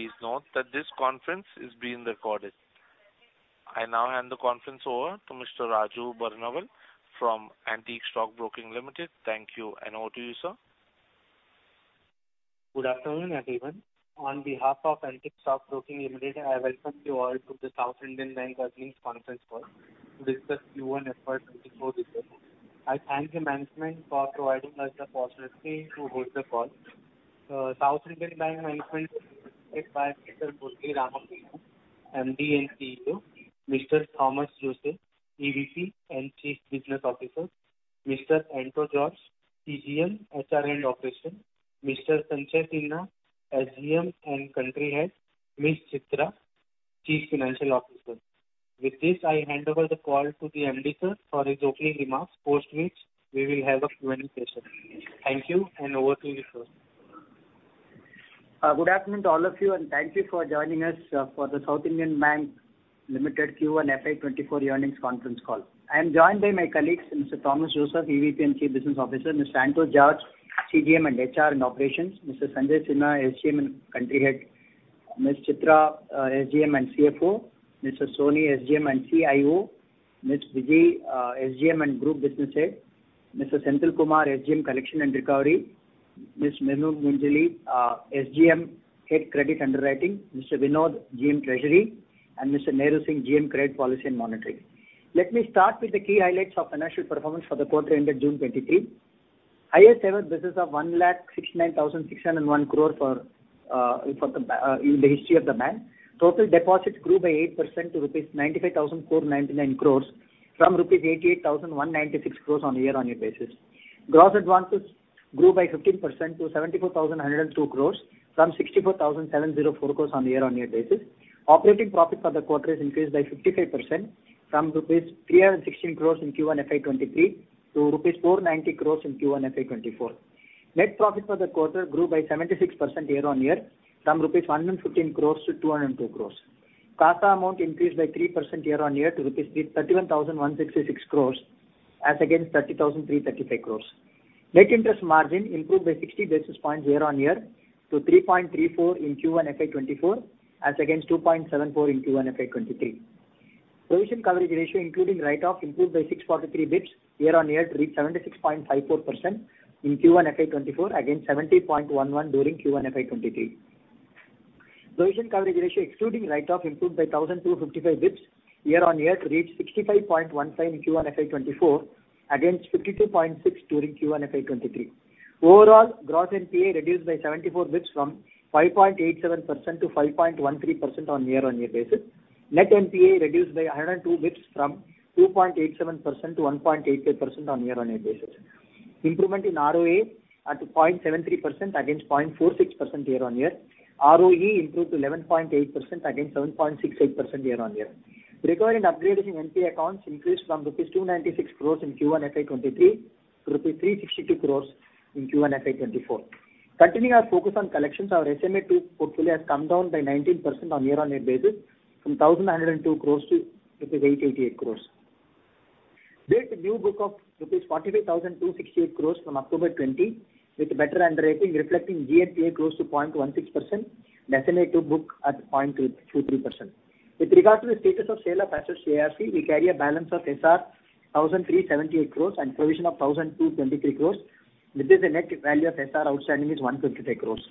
Please note that this conference is being recorded. I now hand the conference over to Mr. Raju Barnawal from Antique Stock Broking Limited. Thank you, and over to you, sir. Good afternoon, everyone. On behalf of Antique Stock Broking Limited, I welcome you all to the South Indian Bank Earnings Conference Call to discuss Q1 FY 2024 results. I thank the management for providing us the possibility to host the call. South Indian Bank management is represented by Mr. Murali Ramakrishnan, MD & CEO, Mr. Thomas Joseph, EVP and Chief Business Officer, Mr. Anto George, CGM, HR and Operations, Mr. Sanchay Sinha, SGM and Country Head, Ms. Chitra, Chief Financial Officer. With this, I hand over the call to the MD, sir, for his opening remarks, post which we will have a Q&A session. Thank you, and over to you, sir. Good afternoon to all of you, and thank you for joining us for the South Indian Bank Limited Q1 FY 2024 earnings conference call. I am joined by my colleagues, Mr. Thomas Joseph, EVP and Chief Business Officer, Mr. Anto George, CGM and HR and Operations, Mr. Sanjay Sinha, SGM and Country Head, Ms. Chitra, SGM and CFO, Mr. Sony, SGM and CIO, Ms. Biji, SGM and Group Business Head, Mr. Senthil Kumar, SGM, Collection and Recovery, Ms. Minu Moonjely, SGM, Head, Credit Underwriting, Mr. Vinod, GM, Treasury, and Mr. Nehru Singh, GM, Credit Policy and Monitoring. Let me start with the key highlights of financial performance for the quarter ended June 2023. Highest ever business of 169,601 crore in the history of the bank. Total deposits grew by 8% to rupees 95,499 crore, from rupees 88,196 crore on a year-on-year basis. Gross advances grew by 15% to 74,102 crore, from 64,704 crore on a year-on-year basis. Operating profit for the quarter is increased by 55% from INR 316 crore in Q1 FY 2023 to rupees 490 crore in Q1 FY 2024. Net profit for the quarter grew by 76% year-on-year from rupees 115 crore to 202 crore. CASA amount increased by 3% year-on-year to rupees 31,166 crore as against 30,335 crore. Net interest margin improved by 60 basis points year-on-year to 3.34 in Q1 FY 2024, as against 2.74 in Q1 FY 2023. Provision coverage ratio, including write-off, improved by 643 basis points year-on-year to reach 76.54% in Q1 FY 2024, against 70.11% during Q1 FY 2023. Provision coverage ratio, excluding write-off, improved by 1,255 basis points year-on-year to reach 65.15% in Q1 FY 2024, against 52.6% during Q1 FY 2023. Overall, gross NPA reduced by 74 basis points from 5.87% to 5.13% on a year-on-year basis. Net NPA reduced by 102 basis points from 2.87% to 1.88% on a year-on-year basis. Improvement in ROA at 0.73% against 0.46% year-on-year. ROE improved to 11.8% against 7.68% year-on-year. Recovery and upgrades in NPA accounts increased from rupees 296 crores in Q1 FY 2023 to rupees 362 crores in Q1 FY 2024. Continuing our focus on collections, our SMA-2 portfolio has come down by 19% on year-on-year basis from 1,102 crores to 888 crores. We have a new book of rupees 45,268 crores from October 2020, with better underwriting reflecting GNPA close to 0.16%, the SMA-2 book at 0.23%. With regard to the status of sale of assets ARC, we carry a balance of SR 1,378 crores and provision of 1,223 crores, with this the net value of SR outstanding is 153 crores.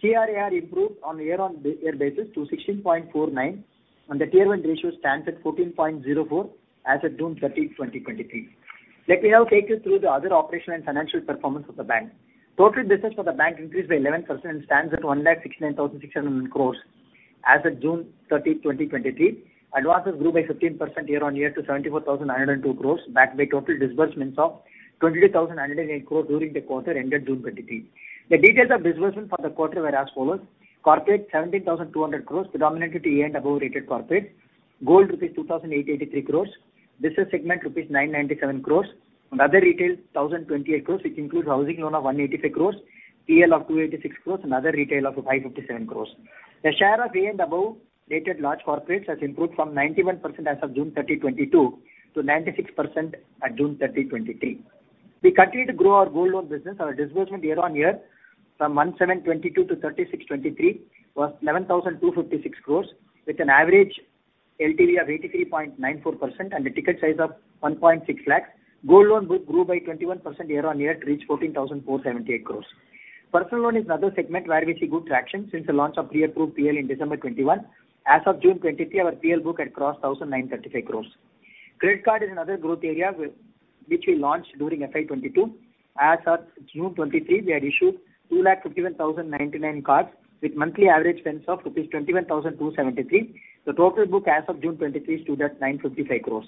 CRAR improved on a year-on-year basis to 16.49, and the Tier one ratio stands at 14.04 as of June 30, 2023. Let me now take you through the other operational and financial performance of the bank. Total business for the bank increased by 11% and stands at 169,600 crore as of June 30, 2023. Advances grew by 15% year-on-year to 74,102 crore, backed by total disbursements of 22,108 crore during the quarter ended June 2023. The details of disbursement for the quarter were as follows: Corporate, 17,200 crore, predominantly to A and above rated corporate, Gold, rupees 2,883 crore, Business segment, rupees 997 crore, and other retail, 1,028 crore, which includes housing loan of 185 crore, PL of 286 crore, and other retail of 557 crore. The share of A and above rated large corporates has improved from 91% as of June 30, 2022, to 96% at June 30, 2023. We continue to grow our gold loan business. Our disbursement year-on-year from 17-22 to 36-23, was 11,256 crore, with an average LTV of 83.94% and a ticket size of 1.6 lakh. Gold loan book grew by 21% year-on-year to reach 14,478 crore. Personal loan is another segment where we see good traction since the launch of pre-approved PL in December 2021. As of June 2023, our PL book had crossed 1,035 crore. Credit card is another growth area which we launched during FY 2022. As of June 2023, we had issued 251,099 cards, with monthly average spends of rupees 21,273. The total book as of June 2023 stood at 955 crore.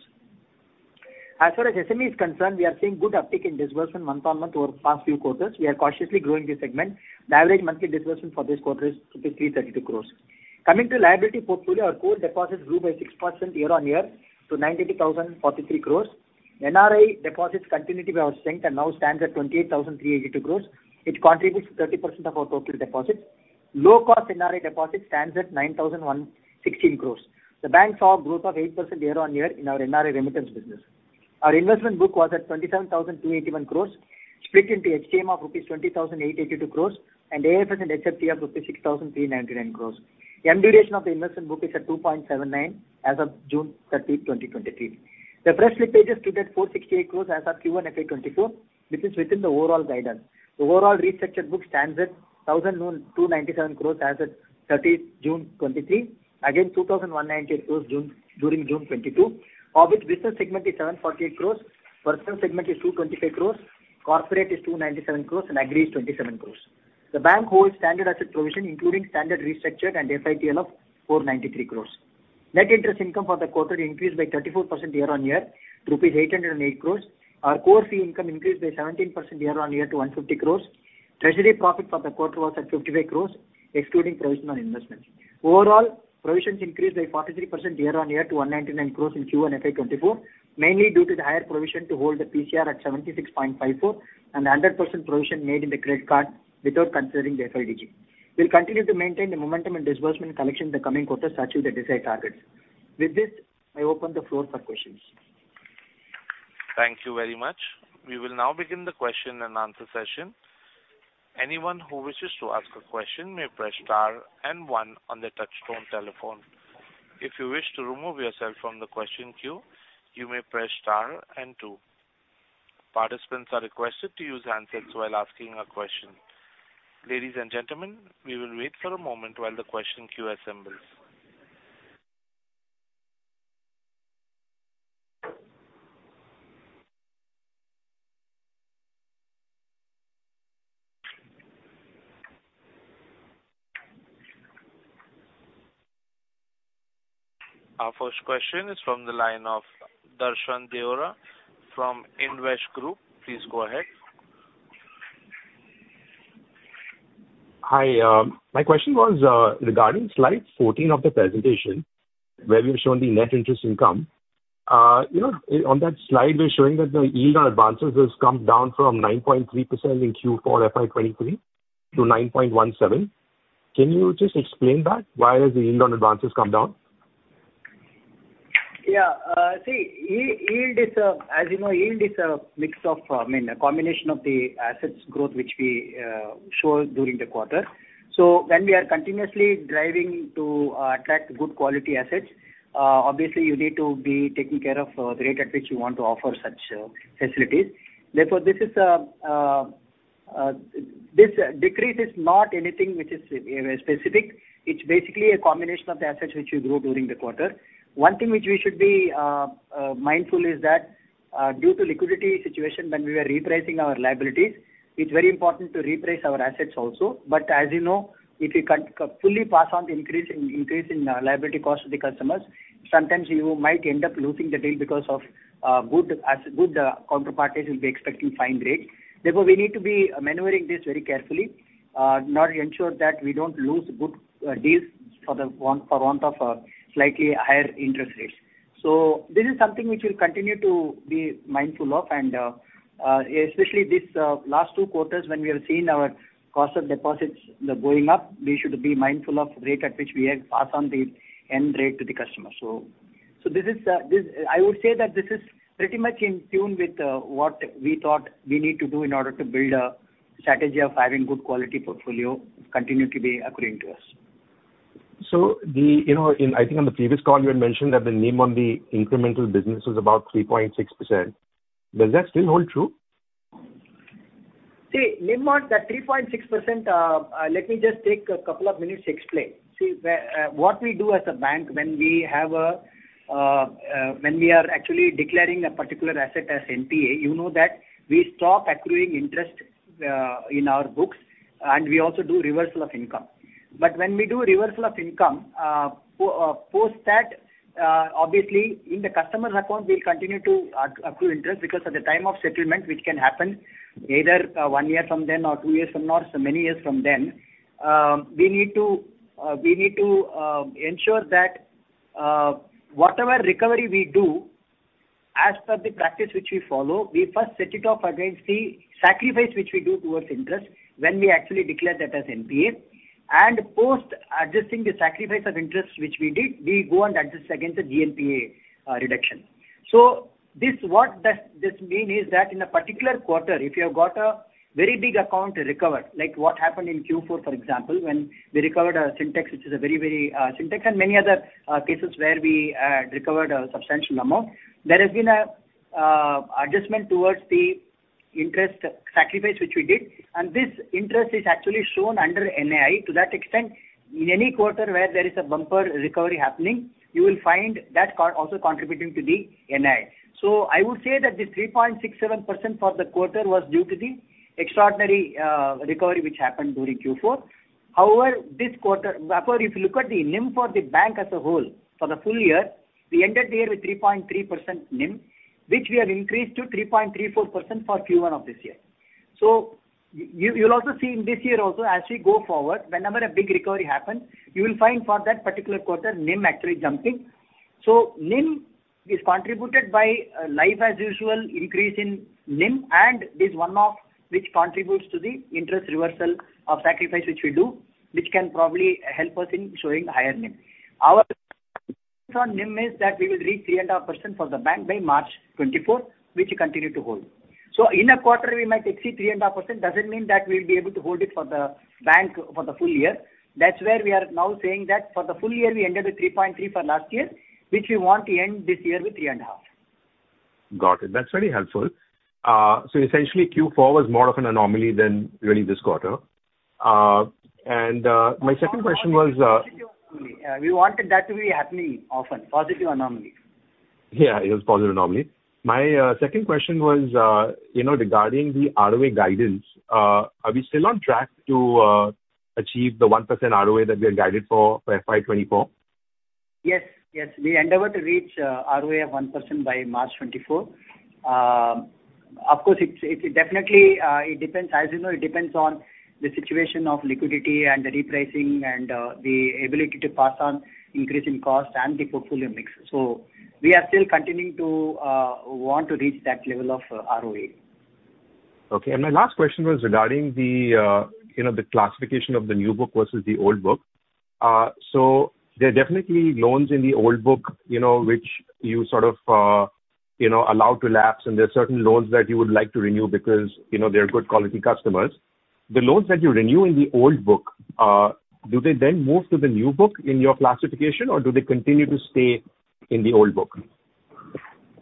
As far as SME is concerned, we are seeing good uptick in disbursement month-on-month over past few quarters. We are cautiously growing this segment. The average monthly disbursement for this quarter is INR 332 crore. Coming to liability portfolio, our core deposits grew by 6% year-on-year to 93,043 crore. NRI deposits continue to be our strength and now stands at 28,382 crore, which contributes to 30% of our total deposits. Low-cost NRI deposits stands at 9,116 crore. The bank saw growth of 8% year-on-year in our NRI remittance business. Our investment book was at 27,281 crore, split into HTM of rupees 20,882 crore, and AFS and HFT of rupees 6,399 crore. Yield duration of the investment book is at 2.79 as of June 30, 2023. The fresh slippage is kept at 468 crore as of Q1 FY 2024, which is within the overall guidance. The overall restructured book stands at 1,297 crore as at 30th June 2023, against 2,198 crores June 2022, during June 2022, of which business segment is 748 crore, personal segment is 225 crore, corporate is 297 crore, and agri is 27 crore. The bank holds standard asset provision, including standard restructured and FITL of 493 crore. Net interest income for the quarter increased by 34% year-on-year, rupees 808 crore. Our core fee income increased by 17% year-on-year to 150 crore. Treasury profit for the quarter was at 55 crore, excluding provision on investments. Overall, provisions increased by 43% year-on-year to 199 crore in Q1 FY 2024, mainly due to the higher provision to hold the PCR at 76.54 and the 100% provision made in the credit card without considering the FLDG. We'll continue to maintain the momentum and disbursement collection in the coming quarters to achieve the desired targets. With this, I open the floor for questions. Thank you very much. We will now begin the question and answer session. Anyone who wishes to ask a question may press star and one on their touchtone telephone. If you wish to remove yourself from the question queue, you may press star and two. Participants are requested to use handsets while asking a question. Ladies and gentlemen, we will wait for a moment while the question queue assembles. Our first question is from the line of Darshan Deora from Indvest Group. Please go ahead. Hi, my question was, regarding slide 14 of the presentation, where you've shown the net interest income. You know, on that slide, we're showing that the yield on advances has come down from 9.3%-9.17% in Q4 FY2023. Can you just explain that? Why has the yield on advances come down? Yeah, see, yield is a, as you know, yield is a mix of, I mean, a combination of the assets growth, which we show during the quarter. So when we are continuously driving to attract good quality assets, obviously, you need to be taking care of the rate at which you want to offer such facilities. Therefore, this decrease is not anything which is specific. It's basically a combination of the assets which you grew during the quarter. One thing which we should be mindful is that, due to liquidity situation, when we are repricing our liabilities, it's very important to reprice our assets also. But as you know, if you can fully pass on the increase in, increase in liability cost to the customers, sometimes you might end up losing the deal because of good counterparties will be expecting fine rates. Therefore, we need to be maneuvering this very carefully, in order to ensure that we don't lose good deals for want of a slightly higher interest rates. So this is something which we'll continue to be mindful of, and, especially this last two quarters, when we have seen our cost of deposits going up, we should be mindful of the rate at which we pass on the end rate to the customer. So this is, I would say that this is pretty much in tune with what we thought we need to do in order to build a strategy of having good quality portfolio continue to be accruing to us. So, you know, I think on the previous call, you had mentioned that the NIM on the incremental business was about 3.6%. Does that still hold true? See, NIM on the 3.6%, let me just take a couple of minutes to explain. See, what we do as a bank when we are actually declaring a particular asset as NPA, you know that we stop accruing interest in our books, and we also do reversal of income. But when we do reversal of income, post that, obviously, in the customer's account, we'll continue to accrue interest, because at the time of settlement, which can happen either one year from then or two years from now, so many years from then, we need to ensure that whatever recovery we do, as per the practice which we follow, we first set it off against the sacrifice which we do towards interest when we actually declare that as NPA. And post adjusting the sacrifice of interest which we did, we go and adjust against the GNPA reduction. So this, what does this mean is that in a particular quarter, if you have got a very big account recovered, like what happened in Q4, for example, when we recovered Sintex, which is a very, very Sintex and many other cases where we recovered a substantial amount. There has been a adjustment towards the interest sacrifice which we did, and this interest is actually shown under NII. To that extent, in any quarter where there is a bumper recovery happening, you will find that also contributing to the NII. So I would say that the 3.67% for the quarter was due to the extraordinary recovery which happened during Q4. However, this quarter, therefore, if you look at the NIM for the bank as a whole, for the full year, we ended the year with 3.3% NIM, which we have increased to 3.34% for Q1 of this year. You’ll also see in this year also, as we go forward, whenever a big recovery happens, you will find for that particular quarter, NIM actually jumping. NIM is contributed by, you know, life as usual increase in NIM and this one-off, which contributes to the interest reversal of sacrifice, which we do, which can probably help us in showing the higher NIM. Our, on NIM is that we will reach 3.5% for the bank by March 2024, which we continue to hold. So in a quarter, we might exceed 3.5%. Doesn't mean that we'll be able to hold it for the bank for the full year. That's where we are now saying that for the full year, we ended with 3.3% for last year, which we want to end this year with 3.5%. Got it. That's very helpful. So essentially, Q4 was more of an anomaly than really this quarter. And, my second question was, Yeah, we wanted that to be happening often. Positive anomaly. Yeah, it was positive anomaly. My second question was, you know, regarding the ROA guidance, are we still on track to achieve the 1% ROA that we are guided for, for FY 2024? Yes, yes, we endeavor to reach ROA of 1% by March 2024. Of course, it's, it definitely, it depends, as you know, it depends on the situation of liquidity and the repricing and, the ability to pass on increase in cost and the portfolio mix. So we are still continuing to want to reach that level of ROA. Okay. And my last question was regarding the, you know, the classification of the new book versus the old book. So there are definitely loans in the old book, you know, which you sort of, you know, allow to lapse, and there are certain loans that you would like to renew because, you know, they're good quality customers. The loans that you renew in the old book, do they then move to the new book in your classification, or do they continue to stay in the old book?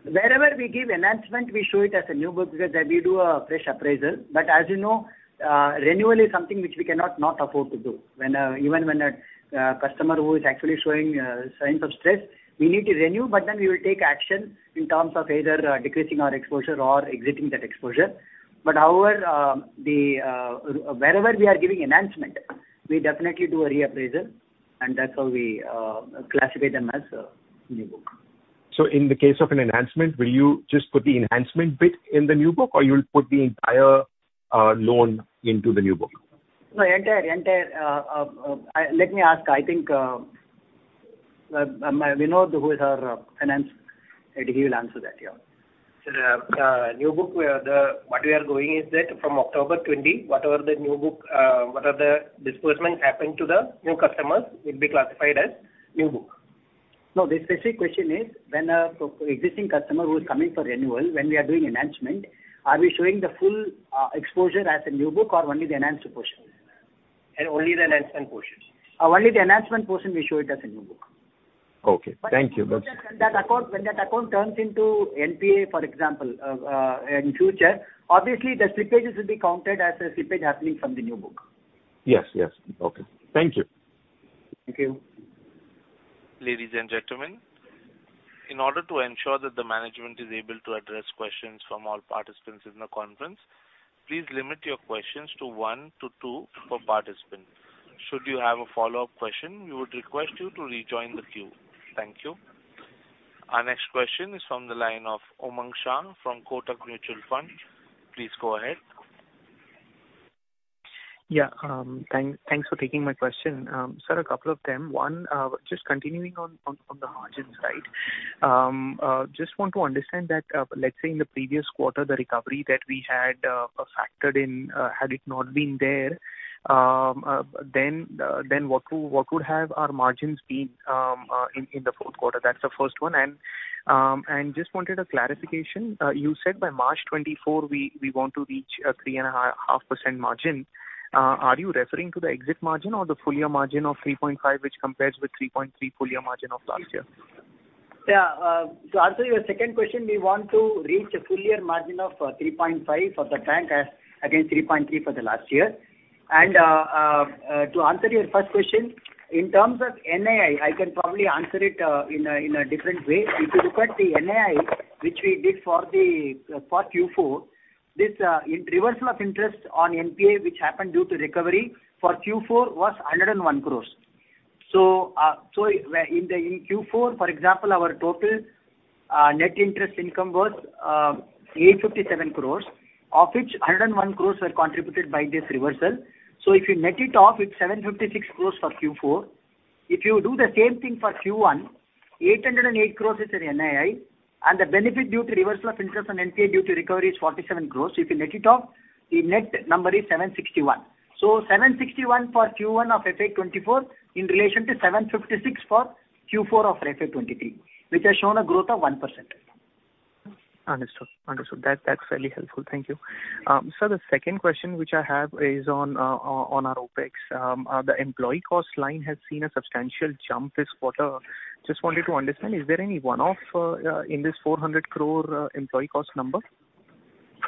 Wherever we give enhancement, we show it as a new book because then we do a fresh appraisal. But as you know, renewal is something which we cannot not afford to do. When even when a customer who is actually showing signs of stress, we need to renew, but then we will take action in terms of either decreasing our exposure or exiting that exposure. But however, the wherever we are giving enhancement, we definitely do a reappraisal, and that's how we classify them as new book. So in the case of an enhancement, will you just put the enhancement bit in the new book, or you'll put the entire loan into the new book? No, let me ask. I think, Vinod, who is our finance head, he will answer that. Yeah. Sir, new book, what we are doing is that from October 20, whatever the new book, whatever the disbursement happened to the new customers will be classified as new book. No, the specific question is, when a pre-existing customer who is coming for renewal, when we are doing enhancement, are we showing the full exposure as a new book or only the enhanced portion? Only the enhancement portion. Only the enhancement portion, we show it as a new book. Okay, thank you. When that account, when that account turns into NPA, for example, in future, obviously, the slippages will be counted as a slippage happening from the new book. Yes, yes. Okay. Thank you. Thank you. Ladies and gentlemen, in order to ensure that the management is able to address questions from all participants in the conference, please limit your questions to 1-2 per participant. Should you have a follow-up question, we would request you to rejoin the queue. Thank you. Our next question is from the line of Umang Shah from Kotak Mutual Fund. Please go ahead. Yeah, thanks for taking my question. Sir, a couple of them. One, just continuing on the margins side. Just want to understand that, let's say in the previous quarter, the recovery that we had factored in, had it not been there, then what would have our margins been in the fourth quarter? That's the first one. And just wanted a clarification. You said by March 2024, we want to reach a 3.5% margin. Are you referring to the exit margin or the full year margin of 3.5, which compares with 3.3 full year margin of last year? Yeah, to answer your second question, we want to reach a full year margin of 3.5 for the bank, as against 3.3 for the last year. To answer your first question, in terms of NII, I can probably answer it in a different way. If you look at the NII, which we did for the for Q4, this in reversal of interest on NPA, which happened due to recovery for Q4, was 101 crores. So, so where in the in Q4, for example, our total net interest income was eight fifty-seven crores, of which 101 crores were contributed by this reversal. So if you net it off, it's 756 crores for Q4. If you do the same thing for Q1, 808 crore is your NII, and the benefit due to reversal of interest on NPA due to recovery is 47 crore. If you net it off, the net number is 761. So 761 for Q1 of FY 2024, in relation to 756 for Q4 of FY 2023, which has shown a growth of 1%. Understood. Understood. That, that's really helpful. Thank you. Sir, the second question which I have is on our OpEx. The employee cost line has seen a substantial jump this quarter. Just wanted to understand, is there any one-off in this 400 crore employee cost number?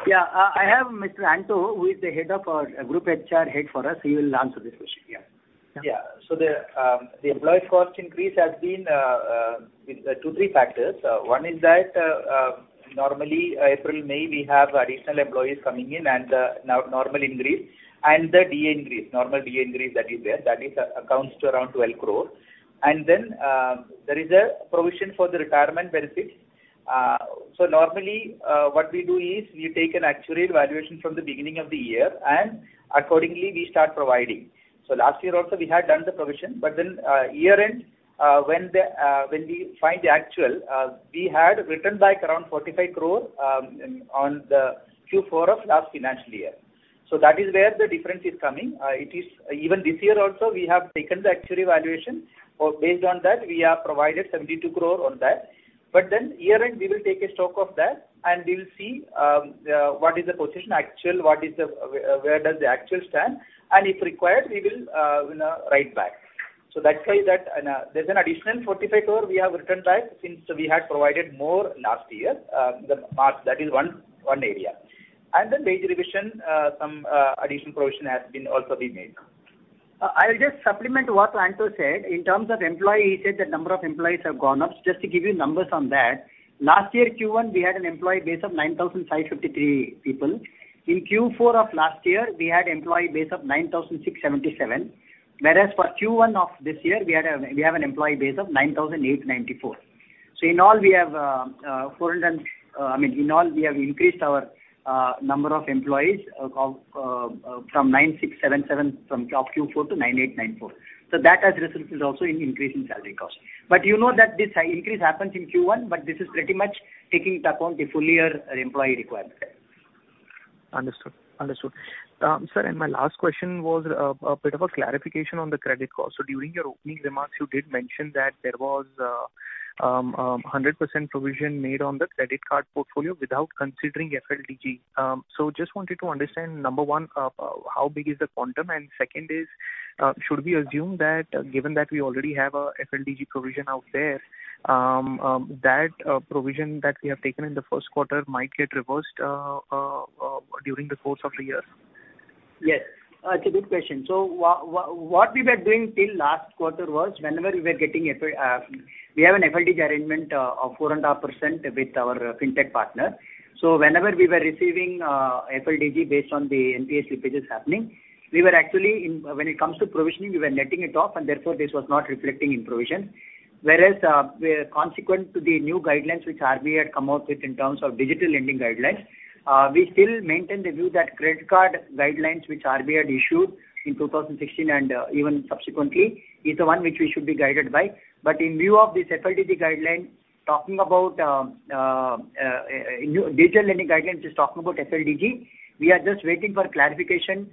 Yeah, I have Mr. Anto, who is the head of our group HR head for us. He will answer this question. Yeah. Yeah. So the employee cost increase has been with two, three factors. One is that normally, April, May, we have additional employees coming in and now normal increase and the DA increase, normal DA increase that is there. That amounts to around 12 crore. And then there is a provision for the retirement benefits. So normally what we do is we take an actuarial valuation from the beginning of the year, and accordingly, we start providing. So last year also, we had done the provision, but then year-end when we find the actual we had written back around 45 crore in the Q4 of last financial year. So that is where the difference is coming. It is, even this year also, we have taken the actuarial valuation, or based on that, we have provided 72 crore on that. But then year-end, we will take a stock of that, and we will see, what is the position actual, what is the, where, where does the actual stand, and if required, we will, you know, write back. So that's why that, and, there's an additional 45 crore we have written back since we had provided more last year, the mark, that is one area. Then wage revision, some additional provision has been also been made. I will just supplement what Anto said. In terms of employee, he said the number of employees have gone up. Just to give you numbers on that, last year, Q1, we had an employee base of 9,553 people. In Q4 of last year, we had employee base of 9,677, whereas for Q1 of this year, we had a, we have an employee base of 9,894. So in all, we have, I mean, in all, we have increased our, number of employees of, from 9,677 from of Q4 to 9,894. So that has resulted also in increase in salary cost. But you know that this increase happens in Q1, but this is pretty much taking into account the full year employee requirement. Understood. Understood. Sir, and my last question was a bit of a clarification on the credit card. So during your opening remarks, you did mention that there was 100% provision made on the credit card portfolio without considering FLDG. So just wanted to understand, number one, how big is the quantum? And second is, should we assume that given that we already have a FLDG provision out there, that provision that we have taken in the first quarter might get reversed during the course of the year? Yes. It's a good question. So what we were doing till last quarter was whenever we were getting, we have an FLDG arrangement of 4.5% with our Fintech partner. So whenever we were receiving FLDG based on the NPA slippages happening, we were actually, when it comes to provisioning, we were netting it off, and therefore, this was not reflecting in provision. Whereas, consequent to the new guidelines, which RBI had come out with in terms of digital lending guidelines, we still maintain the view that credit card guidelines, which RBI had issued in 2016 and, even subsequently, is the one which we should be guided by. But in view of this FLDG guideline, talking about new digital lending guidelines, which is talking about FLDG, we are just waiting for clarification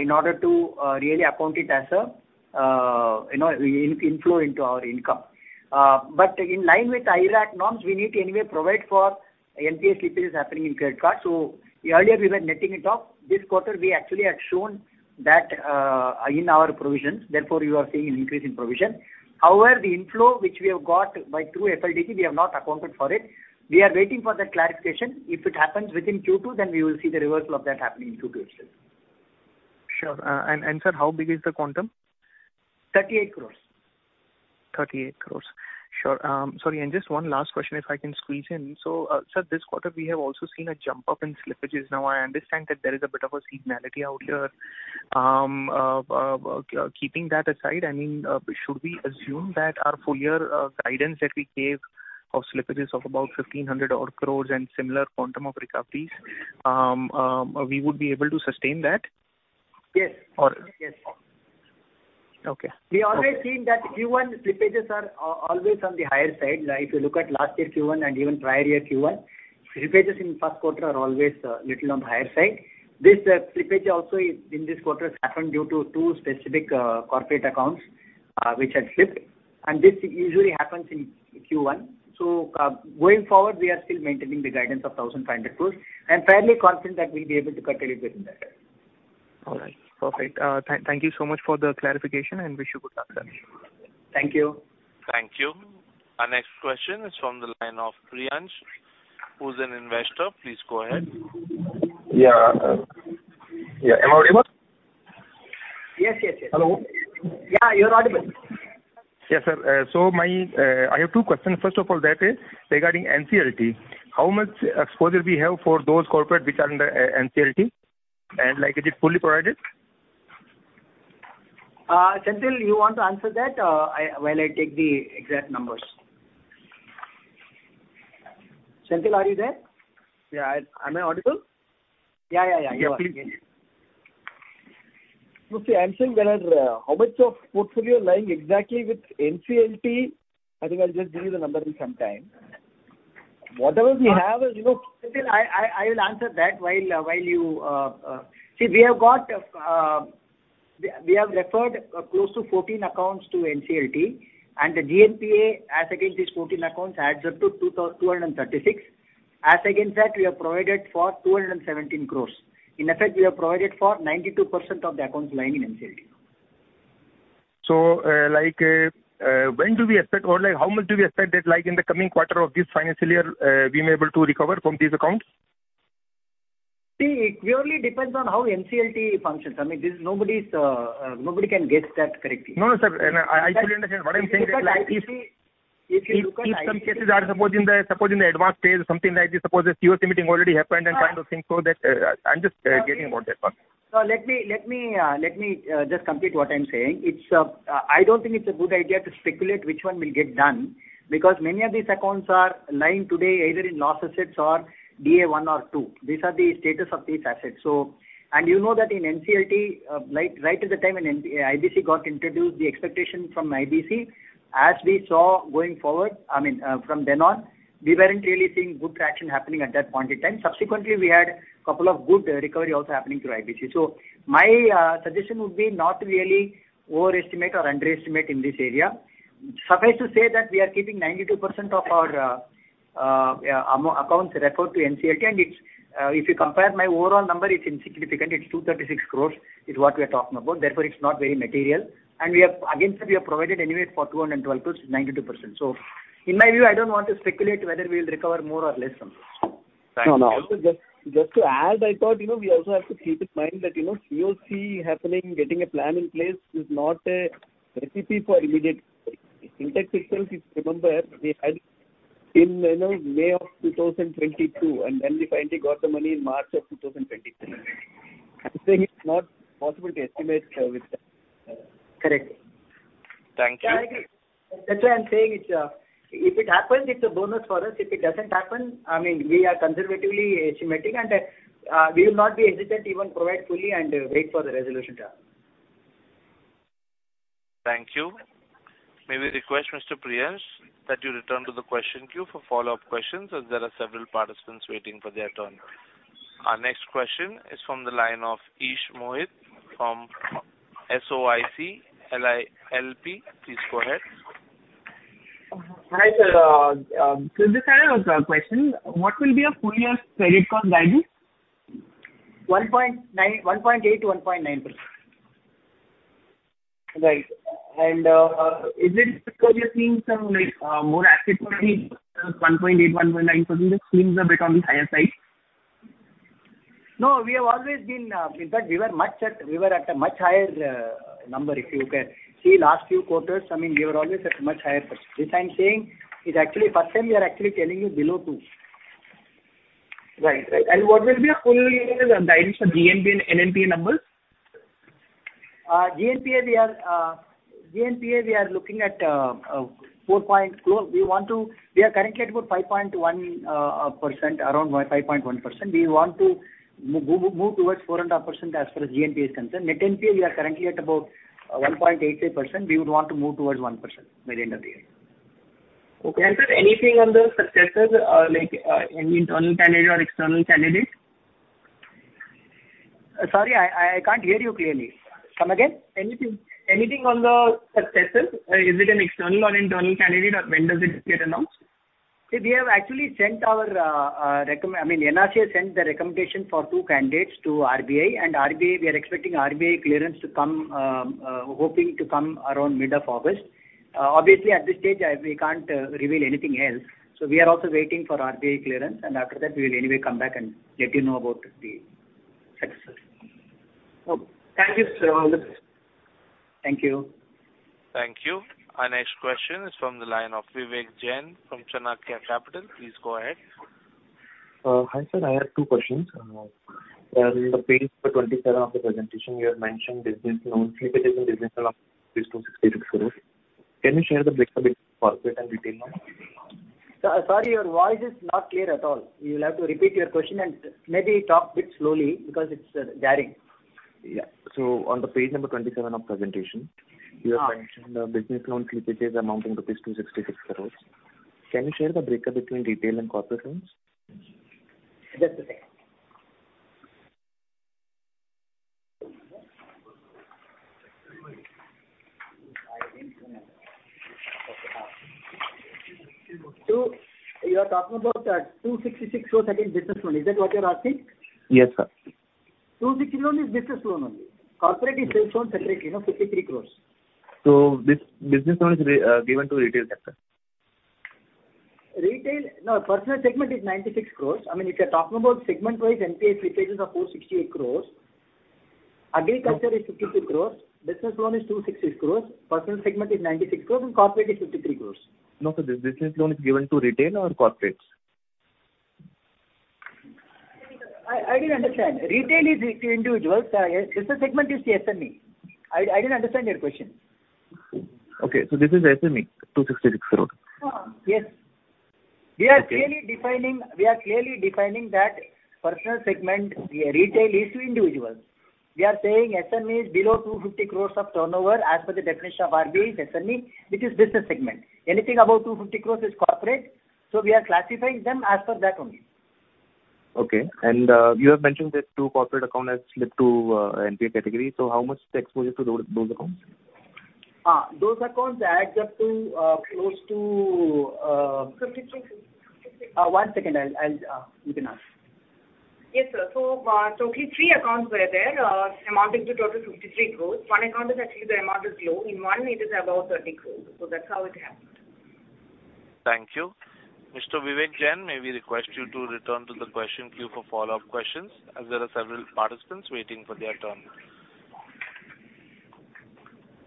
in order to really account it as a you know an inflow into our income. But in line with IRAC norms, we need to anyway provide for NPA slippages happening in credit cards. So earlier, we were netting it off. This quarter, we actually had shown that in our provisions, therefore, you are seeing an increase in provision. However, the inflow which we have got by through FLDG, we have not accounted for it. We are waiting for that clarification. If it happens within Q2, then we will see the reversal of that happening in Q2 itself. Sure. And sir, how big is the quantum? Thirty-eight crores. 38 crore. Sure. Sorry, and just one last question, if I can squeeze in. So, sir, this quarter, we have also seen a jump up in slippages. Now, I understand that there is a bit of a seasonality out here. Keeping that aside, I mean, should we assume that our full year, guidance that we gave of slippages of about 1,500 odd crore and similar quantum of recoveries, we would be able to sustain that? Yes. Or- Yes. Okay. We always seen that Q1 slippages are always on the higher side. If you look at last year's Q1 and even prior year Q1, slippages in first quarter are always little on the higher side. This slippage also in this quarter happened due to 2 specific corporate accounts which had slipped, and this usually happens in Q1. So going forward, we are still maintaining the guidance of 1,500 crore, and fairly confident that we'll be able to curtail it within that. All right. Perfect. Thank you so much for the clarification, and wish you good luck, sir. Thank you. Thank you. Our next question is from the line of Priyansh, who's an investor. Please go ahead. Yeah, yeah. Am I audible? Yes, yes, yes. Hello. Yeah, you're audible. Yes, sir. I have two questions. First of all, that is regarding NCLT. How much exposure we have for those corporate which are under NCLT? And like, is it fully provided? Senthil, you want to answer that, while I take the exact numbers. Senthil, are you there? Yeah. Am I audible? Yeah, yeah, yeah. You see, I'm saying when I how much of portfolio lying exactly with NCLT? I think I'll just give you the numbers in some time. Whatever we have is, you know- I will answer that. See, we have referred close to 14 accounts to NCLT, and the GNPA as against these 14 accounts adds up to 236 crores. As against that, we have provided for 217 crores. In effect, we have provided for 92% of the accounts lying in NCLT. Like, when do we expect or like, how much do we expect that, like, in the coming quarter of this financial year, we may able to recover from these accounts? See, it purely depends on how NCLT functions. I mean, this is nobody's, nobody can guess that correctly. No, no, sir. I, I fully understand. What I'm saying is that if we- If you look at some- If some cases are supposed in the advanced stage, something like this, suppose this KYC meeting already happened and kind of thing, so that, I'm just getting about that one. So let me just complete what I'm saying. It's. I don't think it's a good idea to speculate which one will get done, because many of these accounts are lying today, either in loss assets or SMA one or two. These are the status of these assets. So, and you know that in NCLT, like, right at the time when IBC got introduced, the expectation from IBC, as we saw going forward, I mean, from then on, we weren't really seeing good traction happening at that point in time. Subsequently, we had couple of good recovery also happening through IBC. So my suggestion would be not to really overestimate or underestimate in this area. Suffice to say that we are keeping 92% of our accounts referred to NCLT, and it's if you compare my overall number, it's insignificant. It's 236 crore is what we are talking about, therefore, it's not very material. And we have, again, sir, we have provided anyway for 212 crore, 92%. So in my view, I don't want to speculate whether we will recover more or less from this. No, no, just, just to add, I thought, you know, we also have to keep in mind that, you know, COC happening, getting a plan in place, is not a recipe for immediate. Intech itself, if you remember, they had in, you know, May of 2022, and then we finally got the money in March of 2023. I'm saying it's not possible to estimate with that. Correct. Thank you. That's why I'm saying it's, if it happens, it's a bonus for us. If it doesn't happen, I mean, we are conservatively estimating, and, we will not be hesitant to even provide fully and wait for the resolution to happen. Thank you. May we request, Mr. Priyansh, that you return to the question queue for follow-up questions, as there are several participants waiting for their turn. Our next question is from the line of Ish Mohit SOIC LLP. Please go ahead. Hi, sir. So this is a question. What will be a full year credit cost guidance? 1.8%-1.9%. Right. And, is it because you're seeing some, like, more asset quality, 1.8, 1.9%, it seems a bit on the higher side? No, we have always been, in fact, we were at a much higher number, if you can see, last few quarters, I mean, we were always at much higher, but this I'm saying is actually first time we are actually telling you below two. Right. Right. And what will be a full year guidance for GNPA and NPAs numbers? GNPA, we are looking at four point. We want to, we are currently at about 5.1%, around 5.1%. We want to move towards 4.5% as far as GNPA is concerned. Net NPA, we are currently at about 1.88%. We would want to move towards 1% by the end of the year. Okay. Sir, anything on the successors, like, any internal candidate or external candidate? Sorry, I can't hear you clearly. Come again? Anything, anything on the successors? Is it an external or internal candidate, or when does it get announced? We have actually sent our, I mean, NRC has sent the recommendation for two candidates to RBI, and RBI, we are expecting RBI clearance to come, hoping to come around mid of August. Obviously, at this stage, I, we can't reveal anything else. So we are also waiting for RBI clearance, and after that, we will anyway come back and let you know about the successors. Okay. Thank you, sir. All the best. Thank you. Thank you. Our next question is from the line of Vivek Jain from Chanakya Capital. Please go ahead. Hi, sir, I have two questions. On the page 27 of the presentation, you have mentioned business loans, slippages in business loans, 266 crore rupees. Can you share the breaks a bit for corporate and retail now? Sir, sorry, your voice is not clear at all. You will have to repeat your question and maybe talk a bit slowly because it's garbling. Yeah. So on the page number 27 of presentation- Uh. You have mentioned the business loan slippages amounting to rupees 266 crore. Can you share the breakup between retail and corporate loans? Just a second. So you are talking about 266 crore against business loan. Is that what you are asking? Yes, sir. 260 loan is business loan only. Corporate is shown separately, you know, 53 crore. So this business loan is given to retail sector? Retail, no, personal segment is 96 crores. I mean, if you're talking about segment-wise, NPA slippages are 468 crores. Agriculture is 53 crores. Business loan is 260 crores. Personal segment is 96 crores, and corporate is 53 crores. No, so this business loan is given to retail or corporates? I didn't understand. Retail is to individuals. Business segment is SME. I didn't understand your question. Okay, so this is SME, 266 crore? Uh, yes. Okay. We are clearly defining that personal segment, retail is to individuals. We are saying SME is below 250 crores of turnover as per the definition of RBI, SME, which is business segment. Anything above 250 crores is corporate, so we are classifying them as per that only. Okay. And, you have mentioned that two corporate account has slipped to NPA category. So how much is the exposure to those accounts? Those accounts adds up to, close to. Fifty-three crores. One second, I'll, you can ask. Yes, sir. So, so only three accounts were there, amounting to total 53 crore. One account is actually the amount is low. In one, it is above 30 crore, so that's how it happened. Thank you. Mr. Vivek Jain, may we request you to return to the question queue for follow-up questions, as there are several participants waiting for their turn.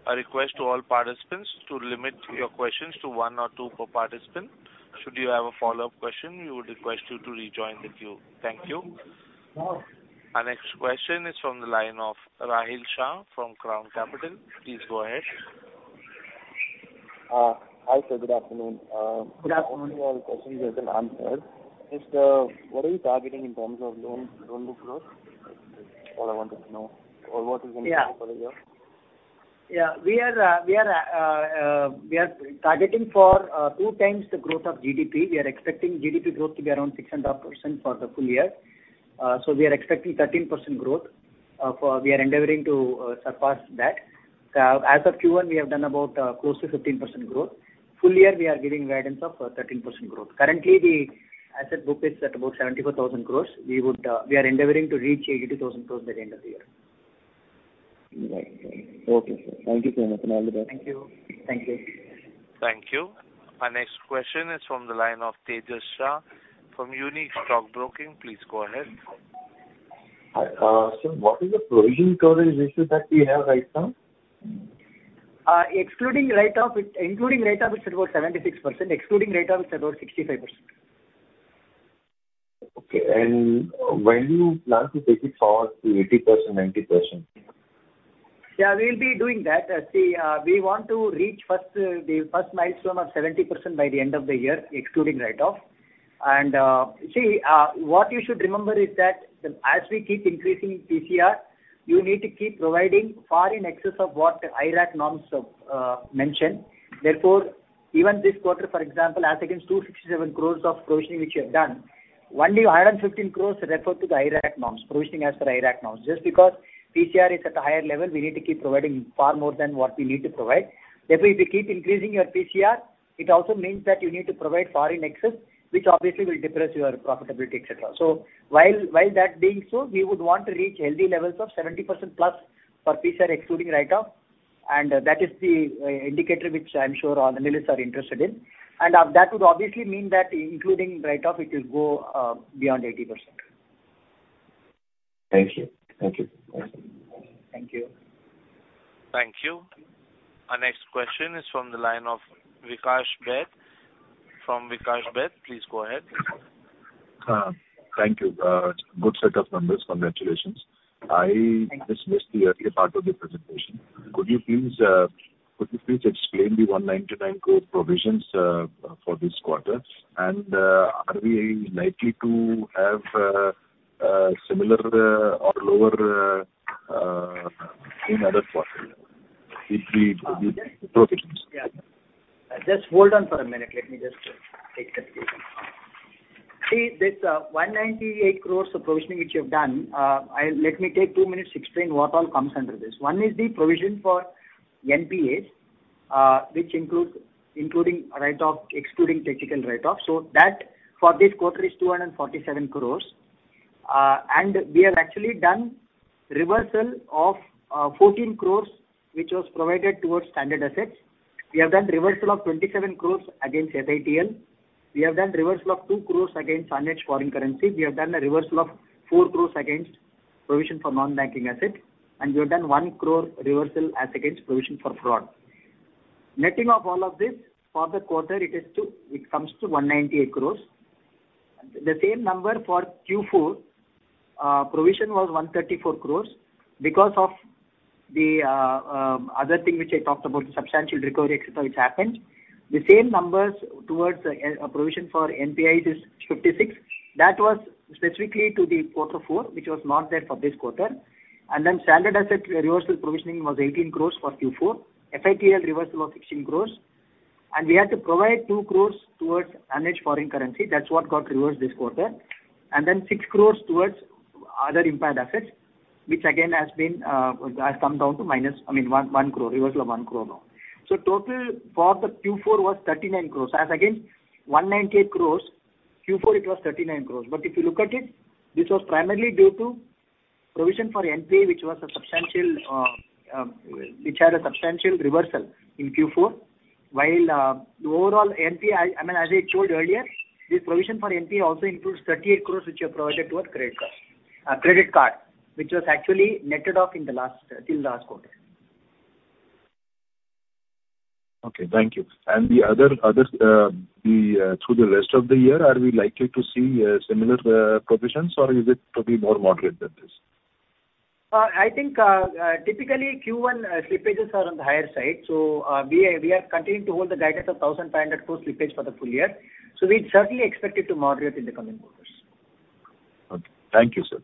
A request to all participants to limit your questions to one or two per participant. Should you have a follow-up question, we would request you to rejoin the queue. Thank you. Our next question is from the line of Rahil Shah from Crown Capital. Please go ahead. Hi, sir, good afternoon. Good afternoon. Most of my questions have been answered. Just, what are you targeting in terms of loans, loan book growth? That's all I wanted to know. Or what is going to happen for the year? Yeah. Yeah, we are targeting for two times the growth of GDP. We are expecting GDP growth to be around 6.5% for the full year. So we are expecting 13% growth for we are endeavoring to surpass that. As of Q1, we have done about close to 15% growth. Full year, we are giving guidance of 13% growth. Currently, the asset book is at about 74,000 crore. We would, we are endeavoring to reach 82,000 crore by the end of the year. Right. Okay, sir. Thank you so much, and all the best. Thank you. Thank you. Thank you. Our next question is from the line of Tejas Shah from Antique Stock Broking. Please go ahead. Hi, so what is the provisioning coverage ratio that we have right now? Excluding write-off, including write-off, it's about 76%, excluding write-off, it's about 65%. Okay. When do you plan to take it forward to 80%, 90%? Yeah, we'll be doing that. We want to reach first, the first milestone of 70% by the end of the year, excluding write-off. What you should remember is that as we keep increasing PCR, you need to keep providing far in excess of what the IRAC norms mention. Therefore, even this quarter, for example, as against 267 crore of provisioning which you have done, only 115 crore refer to the IRAC norms, provisioning as per IRAC norms. Just because PCR is at a higher level, we need to keep providing far more than what we need to provide. Therefore, if you keep increasing your PCR, it also means that you need to provide far in excess, which obviously will depress your profitability, et cetera. So while that being so, we would want to reach healthy levels of 70%+ for PCR excluding write-off, and that is the indicator which I'm sure all analysts are interested in. And that would obviously mean that including write-off, it will go beyond 80%. Thank you. Thank you. Thank you. Thank you. Thank you. Our next question is from the line of Vikash Bhatt. From Vikash Bhatt, please go ahead. Thank you. Good set of numbers. Congratulations. Thank you. I just missed the earlier part of the presentation. Could you please explain the 199 crore provisions for this quarter? And, are we likely to have a similar or lower in other quarters, if we- Yeah. Provisions? Just hold on for a minute. Let me just take that. See, this 198 crore of provisioning which you've done, I'll let me take two minutes to explain what all comes under this. One is the provision for NPAs, which include, including write-off, excluding technical write-off. So that for this quarter is 247 crore. And we have actually done reversal of 14 crore, which was provided towards standard assets. We have done reversal of 27 crore against FITL. We have done reversal of 2 crore against managed foreign currency. We have done a reversal of 4 crore against provision for non-banking assets, and we have done 1 crore reversal as against provision for fraud. Netting of all of this for the quarter, it is two. It comes to 198 crore. The same number for Q4, provision was 134 crore because of the other thing which I talked about, the substantial recovery, et cetera, which happened. The same numbers towards provision for NPA is 56. That was specifically to the quarter four, which was not there for this quarter. And then standard asset reversal provisioning was 18 crore for Q4, FITL reversal of 16 crore, and we had to provide 2 crore towards managed foreign currency. That's what got reversed this quarter. And then 6 crore towards other impaired assets, which again has been, has come down to minus, I mean, 1, 1 crore, reversal of 1 crore now. So total for the Q4 was 39 crore. As against 198 crore, Q4 it was 39 crore. But if you look at it, this was primarily due to provision for NPA, which was a substantial, which had a substantial reversal in Q4, while, the overall NPA, I mean, as I showed earlier, this provision for NPA also includes 38 crore, which are provided towards credit card, credit card, which was actually netted off in the last, till last quarter. Okay, thank you. And the other through the rest of the year, are we likely to see similar provisions, or is it to be more moderate than this? I think, typically, Q1 slippages are on the higher side. So, we are continuing to hold the guidance of 1,500 crore slippage for the full year. So we certainly expect it to moderate in the coming quarters. Okay. Thank you, sir.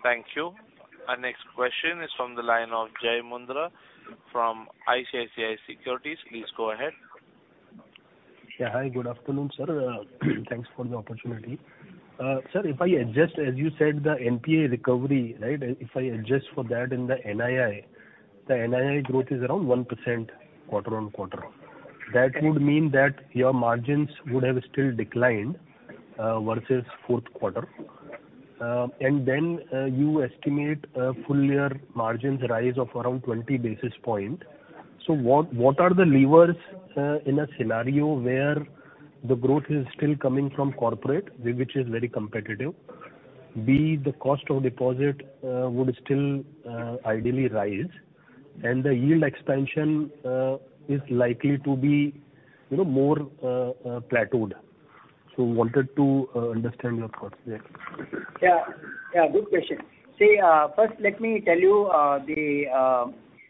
Okay. Thank you. Our next question is from the line of Jai Mundhra, from ICICI Securities. Please go ahead. Yeah. Hi, good afternoon, sir. Thanks for the opportunity. Sir, if I adjust, as you said, the NPA recovery, right? If I adjust for that in the NII, the NII growth is around 1% quarter-on-quarter. That would mean that your margins would have still declined versus fourth quarter. And then, you estimate a full year margins rise of around 20 basis points. So what are the levers in a scenario where the growth is still coming from corporate, which is very competitive? B, the cost of deposit would still ideally rise, and the yield expansion is likely to be, you know, more plateaued. So wanted to understand your thoughts there. Yeah, yeah, good question. See, first, let me tell you,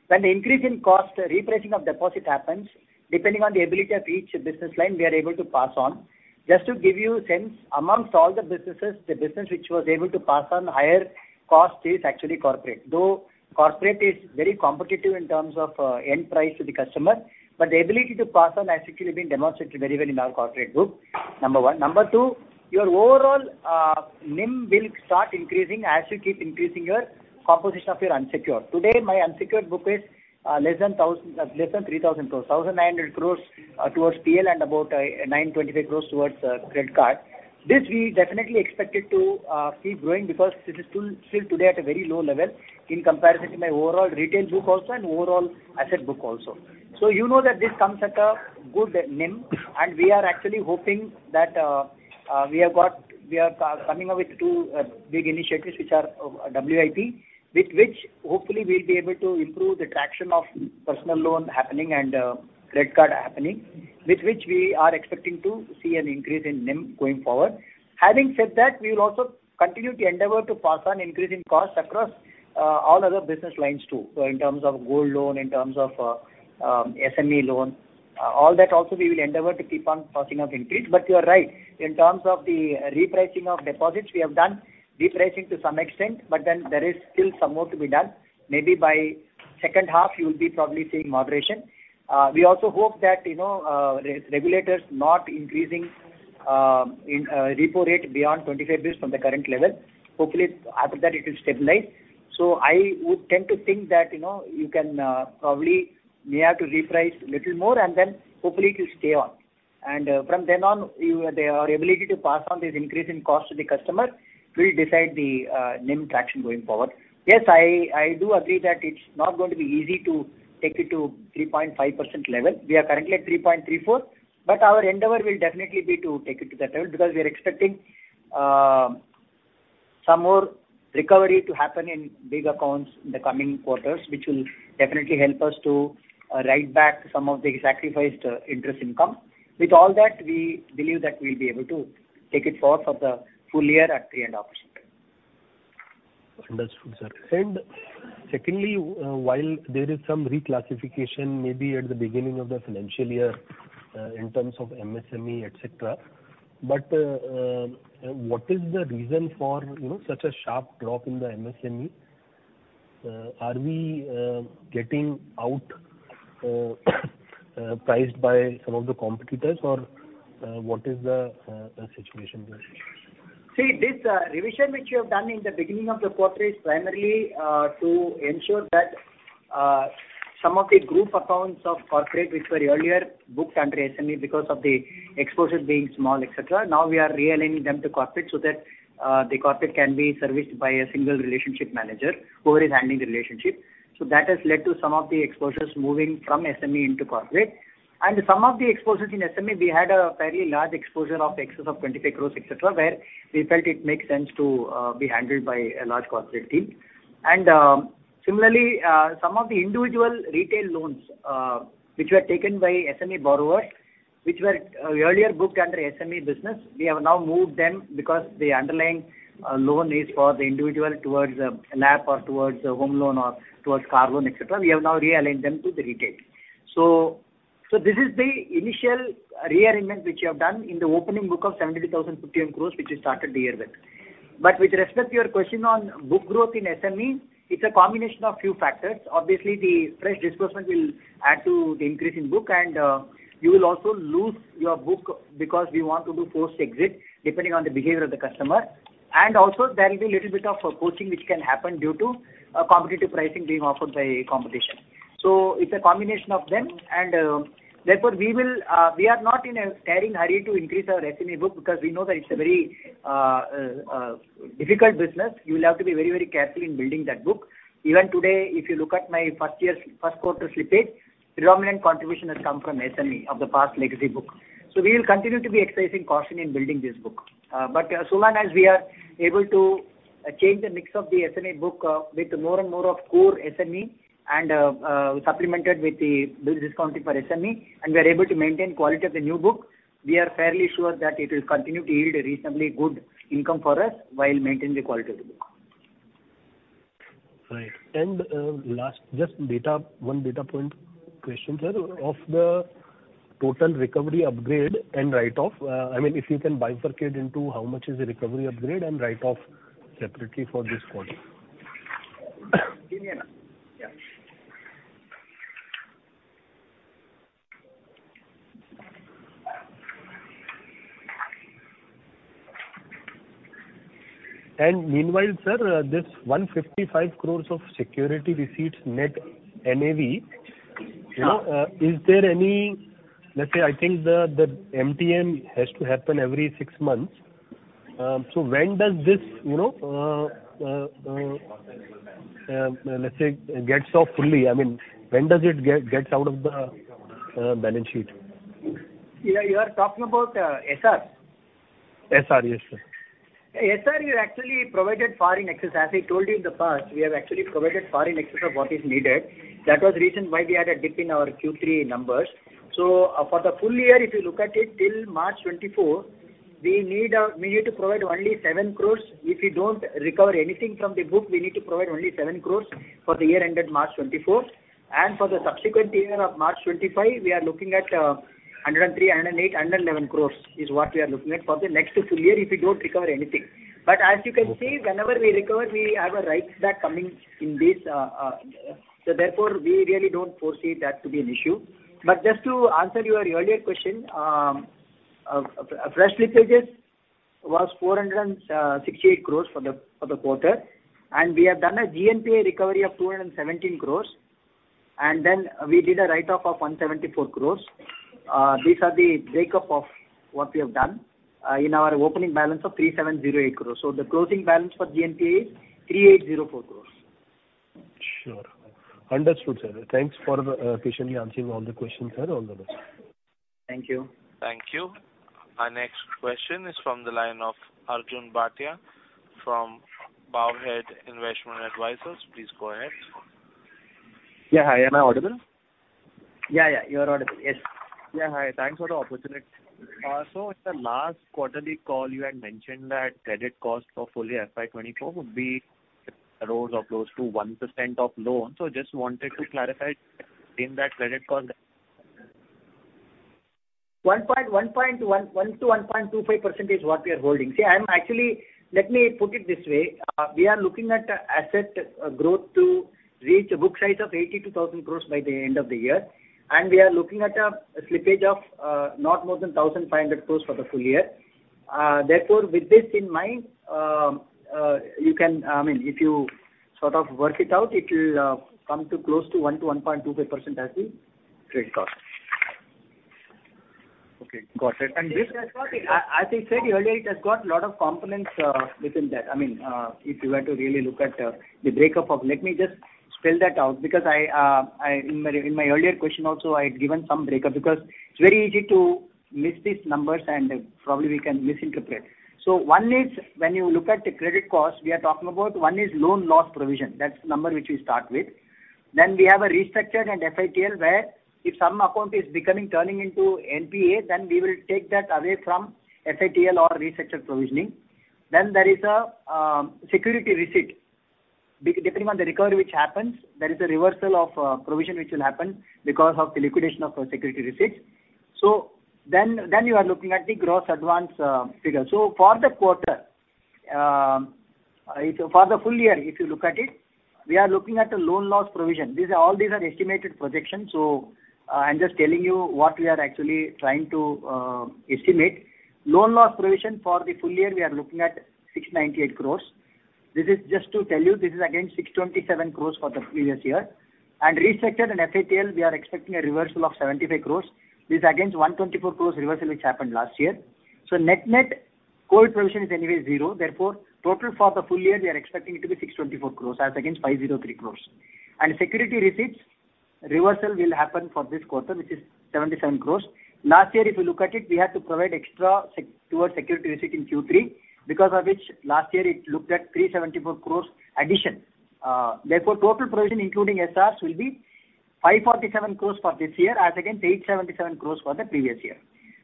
when the increase in cost, repricing of deposit happens, depending on the ability of each business line, we are able to pass on. Just to give you a sense, amongst all the businesses, the business which was able to pass on higher cost is actually corporate. Though corporate is very competitive in terms of, end price to the customer, but the ability to pass on has actually been demonstrated very well in our corporate group, number one. Number two, your overall, NIM will start increasing as you keep increasing your composition of your unsecured. Today, my unsecured book is, less than 1,000- less than 3,000 crores. 1,900 crores, towards PL and about, 925 crores towards, credit card. This we definitely expected to see growing because it is still today at a very low level in comparison to my overall retail book also and overall asset book also. So you know that this comes at a good NIM, and we are actually hoping that we are coming up with two big initiatives which are WIP, with which hopefully we'll be able to improve the traction of personal loan happening and credit card happening, with which we are expecting to see an increase in NIM going forward. Having said that, we will also continue to endeavor to pass on increase in cost across all other business lines, too. So in terms of gold loan, in terms of SME loan, all that also we will endeavor to keep on passing of increase. But you are right, in terms of the repricing of deposits, we have done repricing to some extent, but then there is still some more to be done. Maybe by second half, you will be probably seeing moderation. We also hope that, you know, regulators not increasing the repo rate beyond 25 basis from the current level. Hopefully, after that it will stabilize. So I would tend to think that, you know, you can probably may have to reprice little more, and then hopefully it will stay on. And from then on, our ability to pass on this increase in cost to the customer will decide the NIM traction going forward. Yes, I do agree that it's not going to be easy to take it to 3.5% level. We are currently at 3.34, but our endeavor will definitely be to take it to that level, because we are expecting some more recovery to happen in big accounts in the coming quarters, which will definitely help us to write back some of the sacrificed interest income. With all that, we believe that we'll be able to take it forth of the full year at the end of this year. Understood, sir. And secondly, while there is some reclassification maybe at the beginning of the financial year, in terms of MSME, et cetera, but, what is the reason for, you know, such a sharp drop in the MSME? Are we getting outpriced by some of the competitors, or, what is the situation there? See, this revision which we have done in the beginning of the quarter is primarily to ensure that some of the group accounts of corporate which were earlier booked under SME because of the exposures being small, et cetera, now we are realigning them to corporate so that the corporate can be serviced by a single relationship manager who is handling the relationship. So that has led to some of the exposures moving from SME into corporate. Some of the exposures in SME, we had a fairly large exposure in excess of 25 crore, et cetera, where we felt it makes sense to be handled by a large corporate team. Similarly, some of the individual retail loans, which were taken by SME borrowers, which were earlier booked under SME business, we have now moved them because the underlying loan is for the individual towards a LAP or towards a home loan or towards car loan, et cetera. We have now realigned them to the retail. So this is the initial rearrangement which we have done in the opening book of 72,015 crore, which we started the year with. But with respect to your question on book growth in SME, it's a combination of few factors. Obviously, the fresh disbursement will add to the increase in book, and you will also lose your book because we want to do forced exit, depending on the behavior of the customer. Also there will be a little bit of poaching which can happen due to competitive pricing being offered by competition. So it's a combination of them, and, therefore, we will, we are not in a tearing hurry to increase our SME book because we know that it's a very difficult business. You will have to be very, very careful in building that book. Even today, if you look at my first year, first quarter slippage, predominant contribution has come from SME of the past legacy book. So we will continue to be exercising caution in building this book. But so long as we are able to change the mix of the SME book, with more and more of core SME and, supplemented with the bill discounting for SME, and we are able to maintain quality of the new book, we are fairly sure that it will continue to yield a reasonably good income for us while maintaining the quality of the book. Right. Last, just data, one data point question, sir. Of the total recovery upgrade and write-off, I mean, if you can bifurcate into how much is the recovery upgrade and write-off separately for this quarter? Yeah, yeah. Yeah. Meanwhile, sir, this 155 crore of security receipts, net NAV- Yeah. Is there any. Let's say, I think the MTN has to happen every six months. So when does this, you know, let's say, gets off fully? I mean, when does it get, gets out of the balance sheet? Yeah, you are talking about SR? SR, yes, sir. SR, we actually provided far in excess. As I told you in the past, we have actually provided far in excess of what is needed. That was the reason why we had a dip in our Q3 numbers. So for the full year, if you look at it, till March 2024, we need to provide only 7 crore. If we don't recover anything from the book, we need to provide only 7 crore for the year ended March 2024. And for the subsequent year of March 2025, we are looking at 103 crore, 108 crore, 111 crore, is what we are looking at for the next full year if we don't recover anything. But as you can see, whenever we recover, we have a write back coming in this, so therefore, we really don't foresee that to be an issue. But just to answer your earlier question, fresh slippages was 468 crore for the quarter, and we have done a GNPA recovery of 217 crore, and then we did a write-off of 174 crore. These are the breakup of what we have done in our opening balance of 3,708 crore. So the closing balance for GNPA is 3,804 crore. Sure. Understood, sir. Thanks for patiently answering all the questions, sir. All the best. Thank you. Thank you. Our next question is from the line of Arjun Bhatia from Bowhead Investment Advisors. Please go ahead. Yeah, hi. Am I audible? Yeah, yeah, you are audible. Yes. Yeah, hi. Thanks for the opportunity. So at the last quarterly call, you had mentioned that credit cost for full year FY 2024 would be around or close to 1% of loans. So just wanted to clarify in that credit cost? 1.1-1.25% is what we are holding. See, I'm actually— Let me put it this way. We are looking at asset growth to reach a book size of 82,000 crore by the end of the year, and we are looking at a slippage of not more than 1,500 crore for the full year. Therefore, with this in mind, you can, I mean, if you sort of work it out, it'll come to close to 1-1.25% as the credit cost. Okay, got it. And this. As I said earlier, it has got a lot of components within that. I mean, if you were to really look at the breakup of. Let me just spell that out, because I, I, in my, in my earlier question also, I had given some breakup, because it's very easy to miss these numbers and probably we can misinterpret. So one is when you look at the credit cost, we are talking about one is loan loss provision. That's the number which we start with. Then we have a restructured and FITL, where if some account is becoming, turning into NPA, then we will take that away from FITL or restructured provisioning. Then there is a security receipt. Depending on the recovery which happens, there is a reversal of provision which will happen because of the liquidation of security receipts. So then you are looking at the gross advance figure. So for the quarter, for the full year, if you look at it, we are looking at a loan loss provision. These are all estimated projections, so I'm just telling you what we are actually trying to estimate. Loan loss provision for the full year, we are looking at 698 crores. This is just to tell you, this is against 627 crores for the previous year. And restructured and FITL, we are expecting a reversal of 75 crores. This is against 124 crores reversal which happened last year. So net, net core provision is anyway zero, therefore, total for the full year, we are expecting it to be 624 crores as against 503 crores. Security receipts, reversal will happen for this quarter, which is 77 crore. Last year, if you look at it, we had to provide extra towards security receipt in Q3, because of which last year it looked at 374 crore addition. Therefore, total provision, including SRs, will be 547 crore for this year, as against 877 crore for the previous year.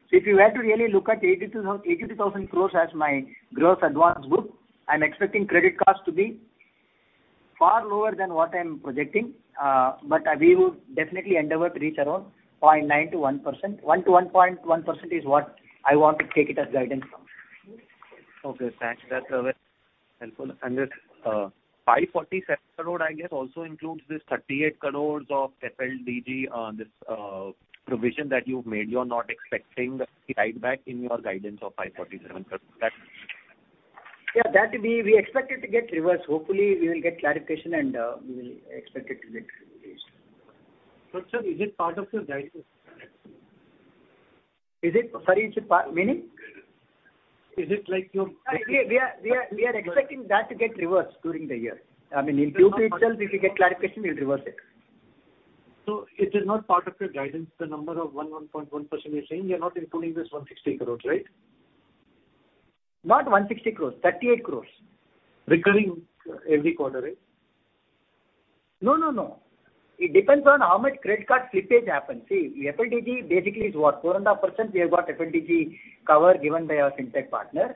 So if you were to really look at 82,000 crore as my gross advance book, I'm expecting credit cost to be far lower than what I'm projecting, but we would definitely endeavor to reach around 0.9%-1%. 1%-1.1% is what I want to take it as guidance from. Okay, thanks. That's helpful. And this 547 crore, I guess, also includes this 38 crores of FLDG, this provision that you made. You're not expecting the write back in your guidance of 547 crore. That- Yeah, that we expect it to get reversed. Hopefully, we will get clarification and we will expect it to get reversed. But sir, is it part of your guidance? Sorry, it's a part, meaning? Is it like your- We are expecting that to get reversed during the year. I mean, in Q3 itself, if we get clarification, we'll reverse it. So it is not part of your guidance, the number of 1.1% you're saying, you're not including this 160 crore, right? Not 160 crore, 38 crore. Recurring every quarter, right? No, no, no. It depends on how much credit card slippage happens. See, the FLDG basically is what? 4.5%, we have got FLDG cover given by our FinTech partner.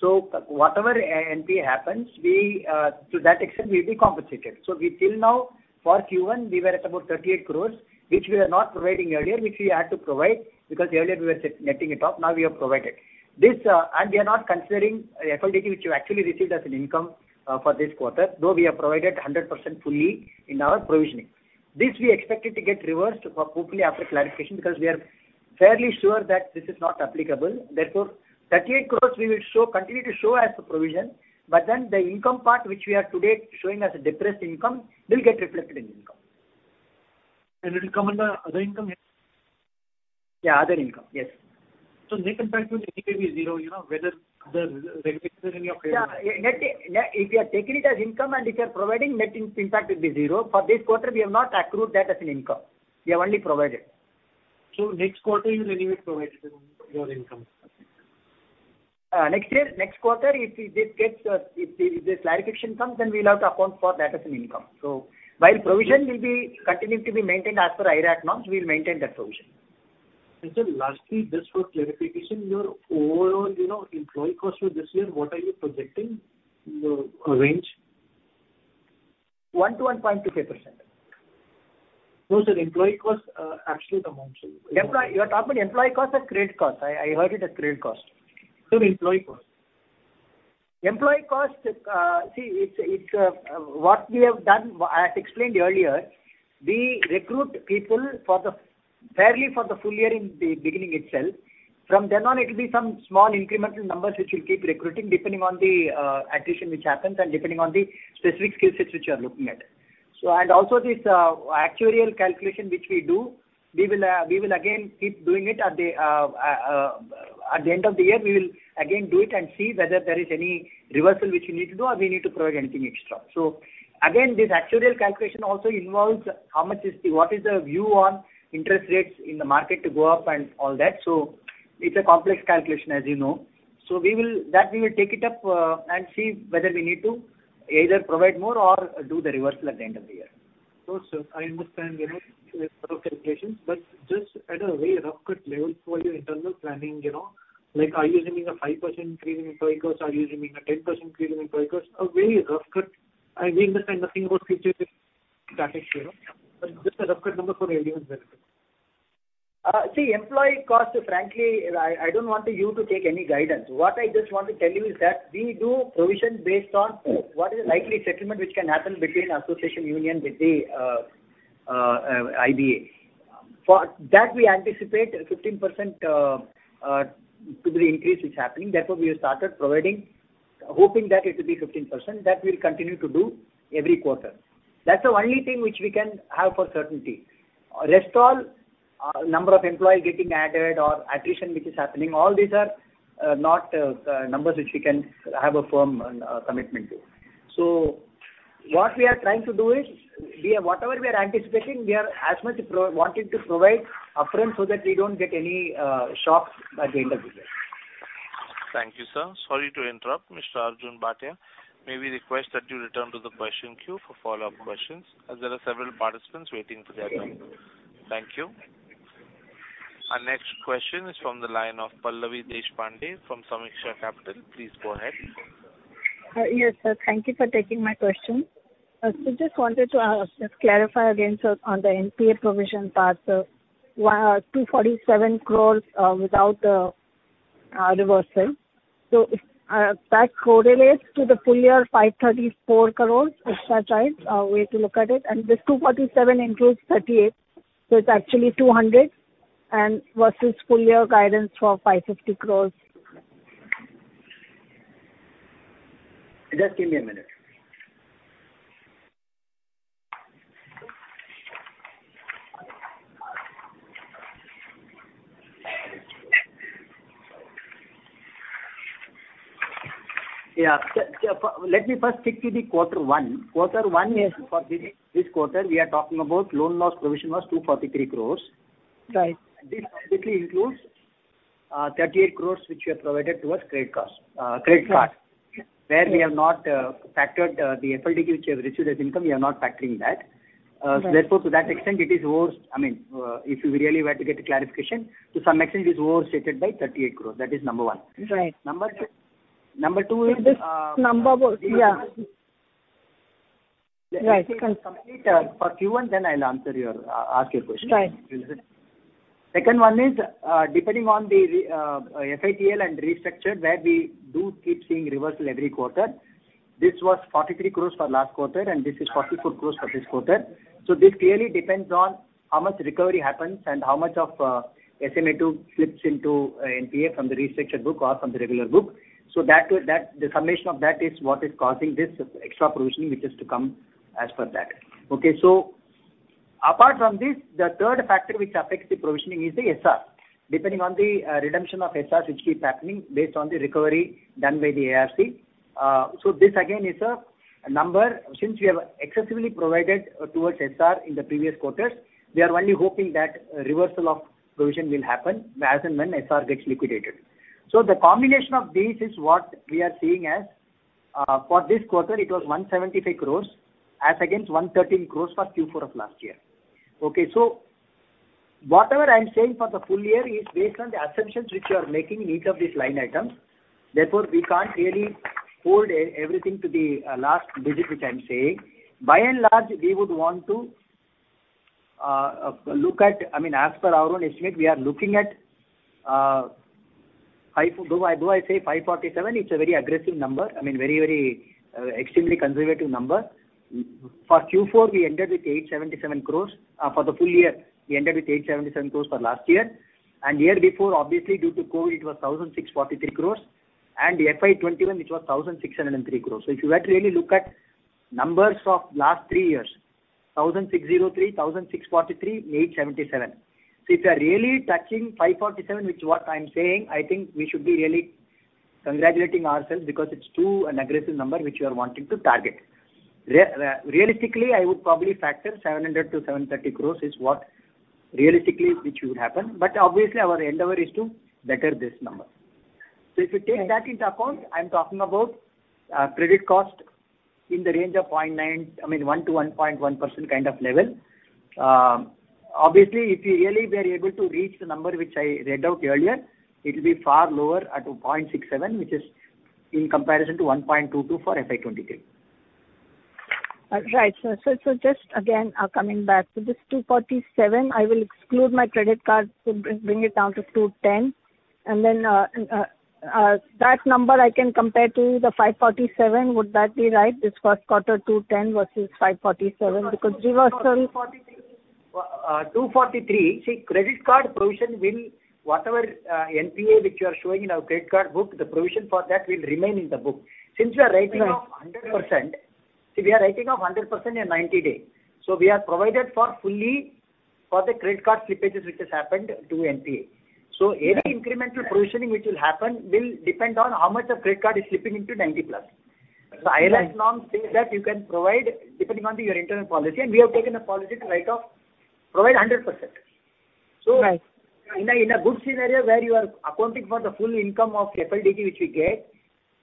So whatever NPA happens, we, to that extent, we'll be compensated. So we till now, for Q1, we were at about 38 crore, which we are not providing earlier, which we had to provide, because earlier we were netting it off, now we have provided. This, and we are not considering FLDG, which we actually received as an income, for this quarter, though we have provided 100% fully in our provisioning. This we expect it to get reversed for hopefully after clarification, because we are fairly sure that this is not applicable. Therefore, 38 crore we will show, continue to show as a provision, but then the income part, which we are today showing as a depressed income, will get reflected in income. It will come under other income? Yeah, other income, yes. Net impact will anyway be zero, you know, whether the regulation in your favor- Yeah, net, if you are taking it as income and if you are providing, net impact will be zero. For this quarter, we have not accrued that as an income. We have only provided. Next quarter, you will anyway provide it in your income? Next year, next quarter, if we did get, if the clarification comes, then we'll have to account for that as an income. So while provision will be continuing to be maintained as per IRAC norms, we'll maintain that provision. Sir, lastly, just for clarification, your overall, you know, employee cost for this year, what are you projecting, the range? 1-1.25%. No, sir, employee cost, absolute amount, sir. Employee, you are talking employee cost or credit cost? I heard it as credit cost. Sir, employee cost. Employee cost, what we have done, as explained earlier, we recruit people for the fairly for the full year in the beginning itself. From then on, it'll be some small incremental numbers which we'll keep recruiting depending on the attrition which happens and depending on the specific skill sets which you are looking at. So and also this actuarial calculation which we do, we will again keep doing it at the end of the year, we will again do it and see whether there is any reversal which we need to do or we need to provide anything extra. So again, this actuarial calculation also involves how much is the - what is the view on interest rates in the market to go up and all that. So it's a complex calculation, as you know. So we will. That we will take it up, and see whether we need to either provide more or do the reversal at the end of the year. Sure, sir. I understand, you know, the calculations, but just at a very rough cut level for your internal planning, you know, like, are you assuming a 5% increase in employee cost? Are you assuming a 10% increase in employee cost? A very rough cut, and we understand nothing about future statistics, you know, but just a rough cut number for our awareness. See, employee cost, frankly, I don't want you to take any guidance. What I just want to tell you is that we do provision based on what is the likely settlement which can happen between association union with the IBA. For that, we anticipate 15% to the increase which is happening. Therefore, we have started providing, hoping that it will be 15%. That we'll continue to do every quarter. That's the only thing which we can have for certainty. Rest all, number of employees getting added or attrition, which is happening, all these are not numbers which we can have a firm commitment to. So what we are trying to do is, we are whatever we are anticipating, we are as much pro wanting to provide upfront so that we don't get any shocks at the end of the year. Thank you, sir. Sorry to interrupt. Mr. Arjun Bhatia, may we request that you return to the question queue for follow-up questions, as there are several participants waiting for their turn. Thank you. Our next question is from the line of Pallavi Deshpande from Sameeksha Capital. Please go ahead. Yes, sir. Thank you for taking my question. I just wanted to just clarify again, sir, on the NPA provision part, sir. With 247 crore without the reversal. So if that correlates to the full year, 534 crore, extra times way to look at it, and this 247 crore includes 38, so it's actually two hundred and versus full year guidance for 550 crore. Just give me a minute. Yeah. Let me first stick to quarter one. Quarter one- Yes. For this quarter, we are talking about loan loss provision was 243 crore. Right. This basically includes 38 crore, which we have provided towards credit cost, credit cost. Right. Where we have not factored the FLDG, which you have received as income, we are not factoring that. Right. So therefore, to that extent, it is over, I mean, if you really were to get a clarification, to some extent, it is overstated by 38 crore. That is number one. Right. Number 2, Number 2 is, This number, yeah. Right. Let me complete for Q1, then I'll answer your question. Right. Second one is, depending on the re, FITL and restructure, where we do keep seeing reversal every quarter. This was 43 crore for last quarter, and this is 44 crore for this quarter. So this clearly depends on how much recovery happens and how much of SMA 2 flips into NPA from the restructure book or from the regular book. So that will, that, the summation of that is what is causing this extra provisioning, which is to come as per that. Okay, so apart from this, the third factor which affects the provisioning is the SR. Depending on the redemption of SRs, which keeps happening based on the recovery done by the ARC. So this again is a number. Since we have excessively provided towards SR in the previous quarters, we are only hoping that reversal of provision will happen as and when SR gets liquidated. So the combination of these is what we are seeing as for this quarter, it was 175 crore, as against 113 crore for Q4 of last year. Okay, so whatever I'm saying for the full year is based on the assumptions which you are making in each of these line items. Therefore, we can't really hold everything to the last digit, which I'm saying. By and large, we would want to look at, I mean, as per our own estimate, we are looking at five, do I, do I say 547? It's a very aggressive number. I mean, very, very, extremely conservative number. For Q4, we ended with 877 crore. For the full year, we ended with 877 crores for last year. And the year before, obviously, due to Covid, it was 1,643 crores, and FY 2021, it was 1,603 crores. So if you were to really look at numbers of last three years, 1,603, 1,643, 877. So if you are really touching 547, which is what I'm saying, I think we should be really congratulating ourselves because it's too an aggressive number which we are wanting to target. Realistically, I would probably factor 700 crores-730 crores is what realistically which would happen. But obviously, our endeavor is to better this number. Right. So if you take that into account, I'm talking about credit cost in the range of 0.9%, I mean, 1%-1.1% kind of level. Obviously, if we really were able to reach the number which I read out earlier, it will be far lower at 2.67%, which is in comparison to 1.22% for FY 2023. Right. So just again coming back to this 247, I will exclude my credit card to bring it down to 210, and then that number I can compare to the 547. Would that be right, this first quarter 210 versus 547? Because reversal- 243. See, credit card provision will, whatever, NPA which you are showing in our credit card book, the provision for that will remain in the book. Since we are writing off 100%. See, we are writing off 100% in 90 days. So we have provided for fully for the credit card slippages which has happened to NPA. Right. Any incremental provisioning which will happen will depend on how much of credit card is slipping into 90+. Right. The IRAC norm says that you can provide depending on your internal policy, and we have taken a policy to write off, provide 100%. Right. So in a good scenario where you are accounting for the full income of FLDG, which we get,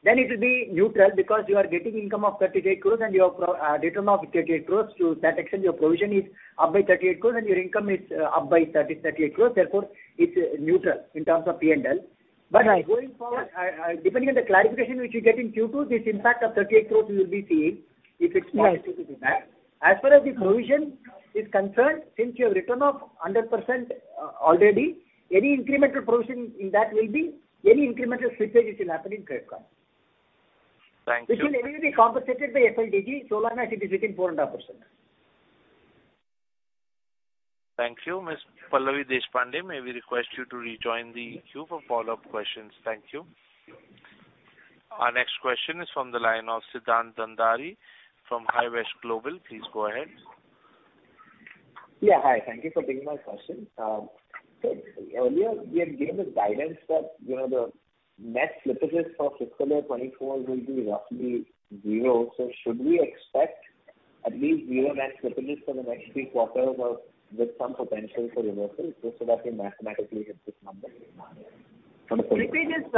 then it will be neutral because you are getting income of 38 crore and you have return of 88 crore. To that extent, your provision is up by 38 crore and your income is up by thirty-eight crores. Therefore, it's neutral in terms of P&L. Right. But going forward, depending on the clarification which we get in Q2, this impact of 38 crore will be seeing if it's positive or back. Right. As far as the provision is concerned, since you have written off 100%, already, any incremental provision in that will be any incremental slippage which will happen in credit card. Thank you. Which will maybe be compensated by FLDG, so long as it is within 4.5%. Thank you. Miss Pallavi Deshpande, may we request you to rejoin the queue for follow-up questions. Thank you. Our next question is from the line of Siddhant Bhandari from Highwest Global. Please go ahead. Yeah, hi. Thank you for taking my question. So earlier, we had given the guidance that, you know, the net slippages for fiscal year 2024 will be roughly zero. Should we expect at least zero net slippages for the next three quarters or with some potential for reversal, just so that we mathematically hit this number? Slippages,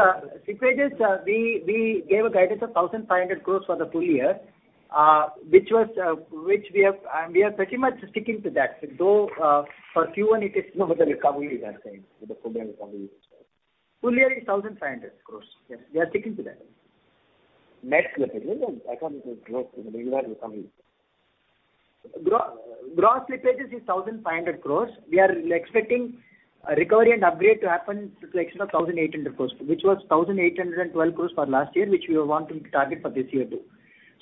slippages, we gave a guidance of 1,500 crore for the full year, which was, which we have, and we are pretty much sticking to that, though, for Q1 it is- No, but the recovery that time, with the full recovery. Full year is 1,500 crore. Yes, we are sticking to that. Net slippage. I come to growth in the recovery. Gross slippages is 1,500 crore. We are expecting a recovery and upgrade to happen to the extent of 1,800 crore, which was 1,812 crore for last year, which we want to target for this year, too.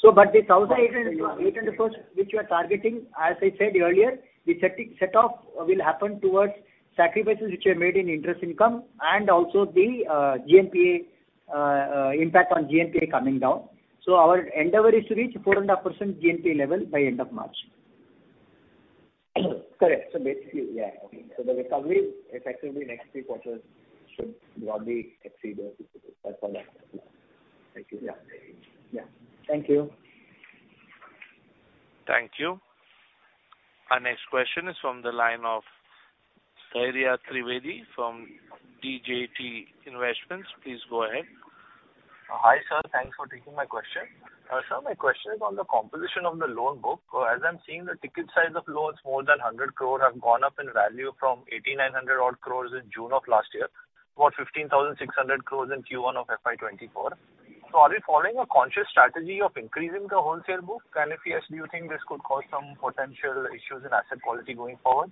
So but the 1,800, 800 crore, which we are targeting, as I said earlier, the set off will happen towards sacrifices which are made in interest income and also the GNPA impact on GNPA coming down. So our endeavor is to reach 4.5% GNPA level by end of March. Correct. So basically, yeah, okay. So the recovery, effectively, next three quarters should broadly exceed the. Thank you. Yeah. Thank you. Thank you. Our next question is from the line of Dhairya Trivedi from DJT Investments. Please go ahead. Hi, sir. Thanks for taking my question. Sir, my question is on the composition of the loan book. As I'm seeing, the ticket size of loans more than 100 crore have gone up in value from 8,900-odd crore in June of last year, about 15,600 crore in Q1 of FY 2024. So are we following a conscious strategy of increasing the wholesale book? And if yes, do you think this could cause some potential issues in asset quality going forward?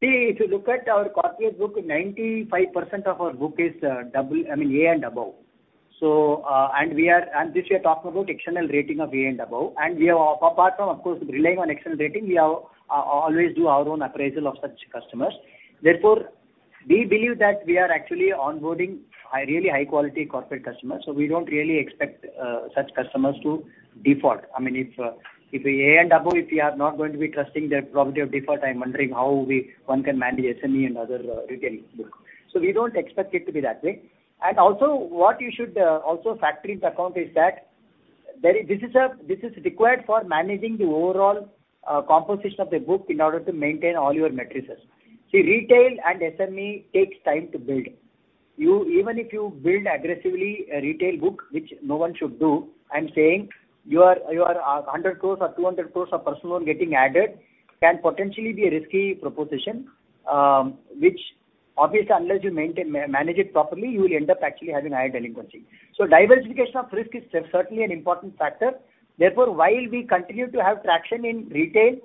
See, if you look at our corporate book, 95% of our book is double, I mean, A and above. So, and this we are talking about external rating of A and above. And we are, apart from, of course, relying on external rating, we are always do our own appraisal of such customers. Therefore, we believe that we are actually onboarding a really high-quality corporate customer, so we don't really expect such customers to default. I mean, if A and above, if we are not going to be trusting their probability of default, I'm wondering how one can manage SME and other retail book. So we don't expect it to be that way. And also what you should also factor into account is that there is this is required for managing the overall composition of the book in order to maintain all your metrics. See, retail and SME takes time to build. Even if you build aggressively a retail book, which no one should do, I'm saying your 100 crore or 200 crore of personal loan getting added can potentially be a risky proposition, which obviously, unless you maintain manage it properly, you will end up actually having higher delinquency. So diversification of risk is certainly an important factor. Therefore, while we continue to have traction in retail,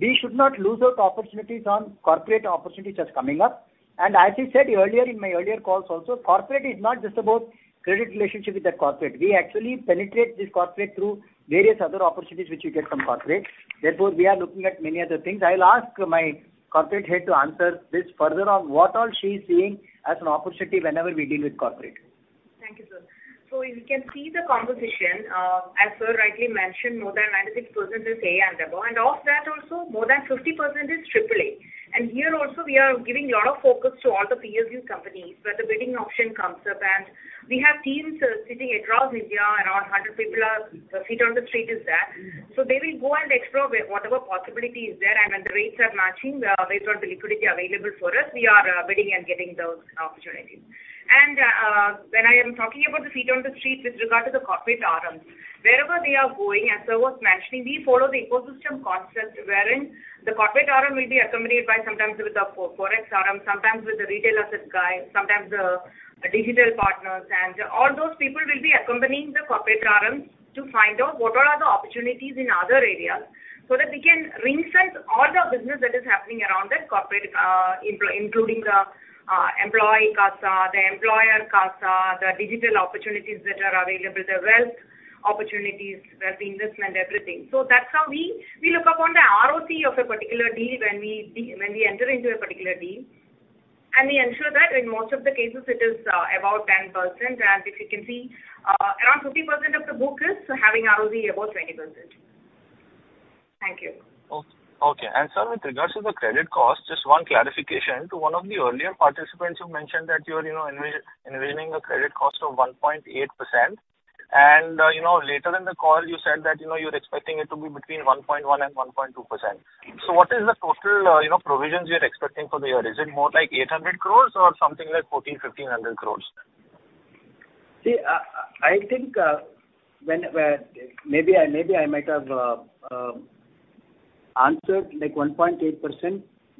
we should not lose out opportunities on corporate opportunities that's coming up. And as I said earlier in my earlier calls also, corporate is not just about credit relationship with the corporate. We actually penetrate this corporate through various other opportunities which we get from corporate. Therefore, we are looking at many other things. I'll ask my corporate head to answer this further on what all she's seeing as an opportunity whenever we deal with corporate. Thank you, sir. So you can see the composition. As sir rightly mentioned, more than 96% is A and above, and of that also, more than 50% is AAA. And here also we are giving a lot of focus to all the PSU companies, where the bidding option comes up. And we have teams sitting across India, and our 100 people are feet on the street is there. So they will go and explore whatever possibility is there, and when the rates are matching, based on the liquidity available for us, we are bidding and getting those opportunities. When I am talking about the feet on the street with regard to the corporate RMs, wherever they are going, as I was mentioning, we follow the ecosystem concept, wherein the corporate RM will be accompanied by sometimes with the Forex RM, sometimes with the retail assets guy, sometimes the digital partners, and all those people will be accompanying the corporate RMs to find out what are the opportunities in other areas. So that we can right-size all the business that is happening around that corporate, including the employee CASA, the employer CASA, the digital opportunities that are available, the wealth opportunities, wealth investment, everything. So that's how we look upon the ROC of a particular deal when we enter into a particular deal. And we ensure that in most of the cases it is about 10%. As you can see, around 50% of the book is having ROC above 20%. Thank you. Okay. Sir, with regards to the credit cost, just one clarification to one of the earlier participants who mentioned that you're, you know, investing a credit cost of 1.8%. And, you know, later in the call, you said that, you know, you're expecting it to be between 1.1% and 1.2%. So what is the total, you know, provisions you're expecting for the year? Is it more like 800 crore or something like 1,400-1,500 crore? See, I think when maybe I might have answered like 1.8%.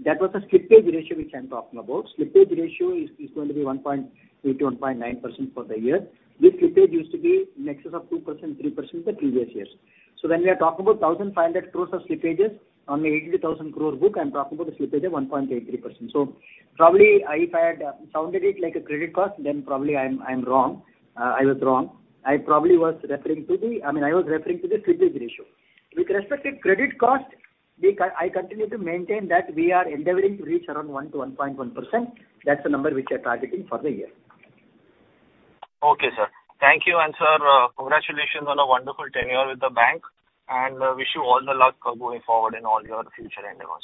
That was a slippage ratio which I'm talking about. Slippage ratio is going to be 1.8%-1.9% for the year. This slippage used to be in excess of 2%, 3% the previous years. So when we are talking about 1,500 crore of slippages on the 80,000 crore book, I'm talking about the slippage of 1.83%. So probably, if I had sounded it like a credit cost, then probably I'm wrong. I was wrong. I probably was referring to the, I mean, I was referring to the slippage ratio. With respect to credit cost, I continue to maintain that we are endeavoring to reach around 1%-1.1%. That's the number which we are targeting for the year. Okay, sir. Thank you, and sir, congratulations on a wonderful tenure with the bank, and wish you all the luck going forward in all your future endeavors.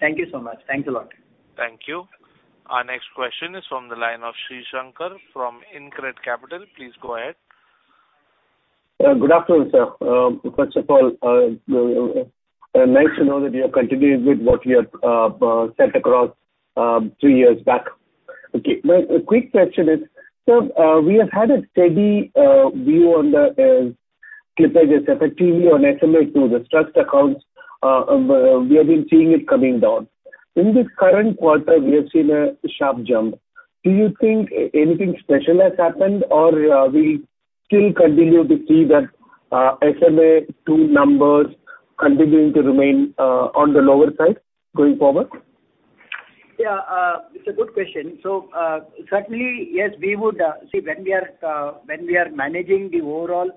Thank you so much. Thanks a lot. Thank you. Our next question is from the line of Sreesankar from InCred Capital. Please go ahead. Good afternoon, sir. First of all, nice to know that you have continued with what you have set across two years back. Okay. My quick question is, sir, we have had a steady view on the slippages effectively on SMA to the trust accounts. We have been seeing it coming down. In this current quarter, we have seen a sharp jump. Do you think anything special has happened or we still continue to see that SMA two numbers continuing to remain on the lower side going forward? Yeah, it's a good question. So, certainly, yes, we would, see, when we are, when we are managing the overall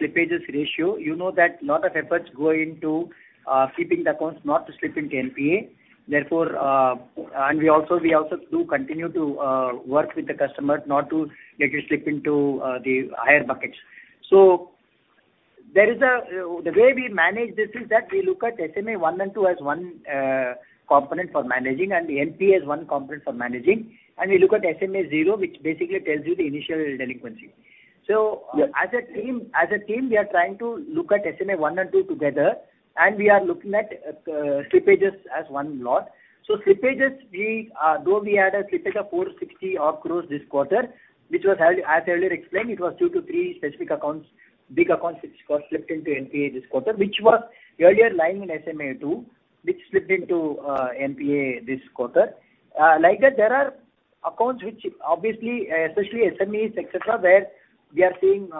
slippages ratio, you know that a lot of efforts go into keeping the accounts not to slip into NPA. Therefore, and we also, we also do continue to work with the customer not to let it slip into the higher buckets. So there is the way we manage this is that we look at SMA one and two as one component for managing and NPA as one component for managing, and we look at SMA zero, which basically tells you the initial delinquency. So as a team, as a team, we are trying to look at SMA one and two together, and we are looking at slippages as one lot. Slippages, we though we had a slippage of 460-odd crores this quarter, which was earlier, as earlier explained, it was due to 3 specific accounts, big accounts which got slipped into NPA this quarter, which was earlier lying in SMA-2, which slipped into NPA this quarter. Like that, there are accounts which obviously, especially SMEs, et cetera, where we are seeing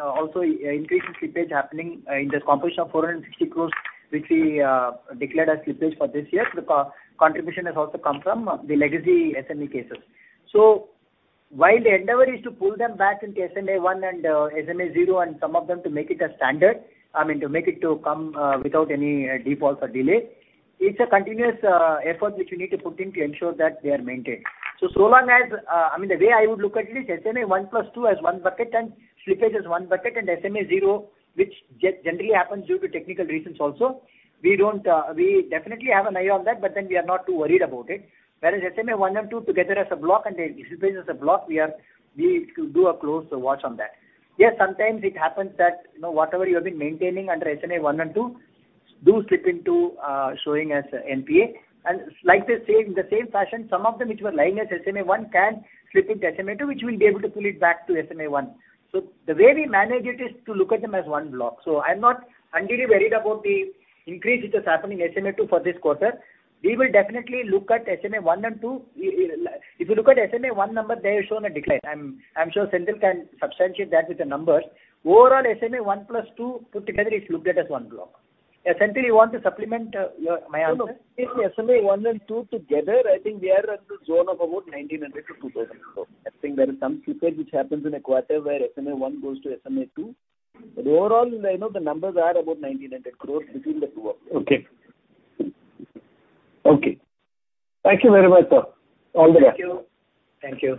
also increase in slippage happening, in the composition of 460 crores, which we declared as slippage for this year. The co-contribution has also come from the legacy SME cases. So while the endeavor is to pull them back into SMA one and SMA zero, and some of them to make it a standard, I mean, to make it to come without any default or delay, it's a continuous effort which you need to put in to ensure that they are maintained. So, so long as, I mean, the way I would look at it is SMA one plus two as one bucket and slippage as one bucket, and SMA zero, which generally happens due to technical reasons also. We don't, we definitely have an eye on that, but then we are not too worried about it. Whereas SMA one and two together as a block and the slippage as a block, we do a close watch on that. Yes, sometimes it happens that, you know, whatever you have been maintaining under SMA 1 and 2, do slip into showing as NPA. And like the same, the same fashion, some of them which were lying as SMA 1 can slip into SMA 2, which we'll be able to pull it back to SMA 1. So the way we manage it is to look at them as one block. So I'm not entirely worried about the increase which is happening in SMA 2 for this quarter. We will definitely look at SMA 1 and 2. If you look at SMA 1 number, they have shown a decline. I'm sure Senthil can substantiate that with the numbers. Overall, SMA 1 plus 2 put together is looked at as one block. Senthil, you want to supplement your my answer? No. In SMA one and two together, I think we are in the zone of about 1,900-2,000 crore. I think there is some slippage which happens in a quarter where SMA one goes to SMA two. But overall, you know, the numbers are about 1,900 crore between the two of them. Okay. Okay. Thank you very much, sir. All the best. Thank you. Thank you.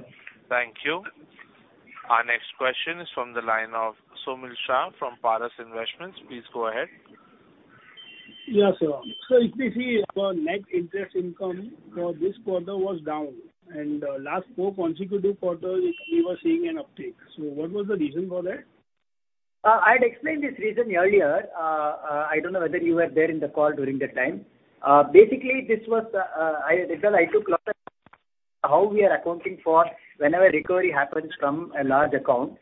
Thank you. Our next question is from the line of Somil Shah from Paras Investments. Please go ahead. Yes, sir. So if we see your net interest income for this quarter was down, and last four consecutive quarters, we were seeing an uptick. So what was the reason for that? I had explained this reason earlier. I don't know whether you were there in the call during that time. Basically, this was because I took how we are accounting for whenever recovery happens from a large account.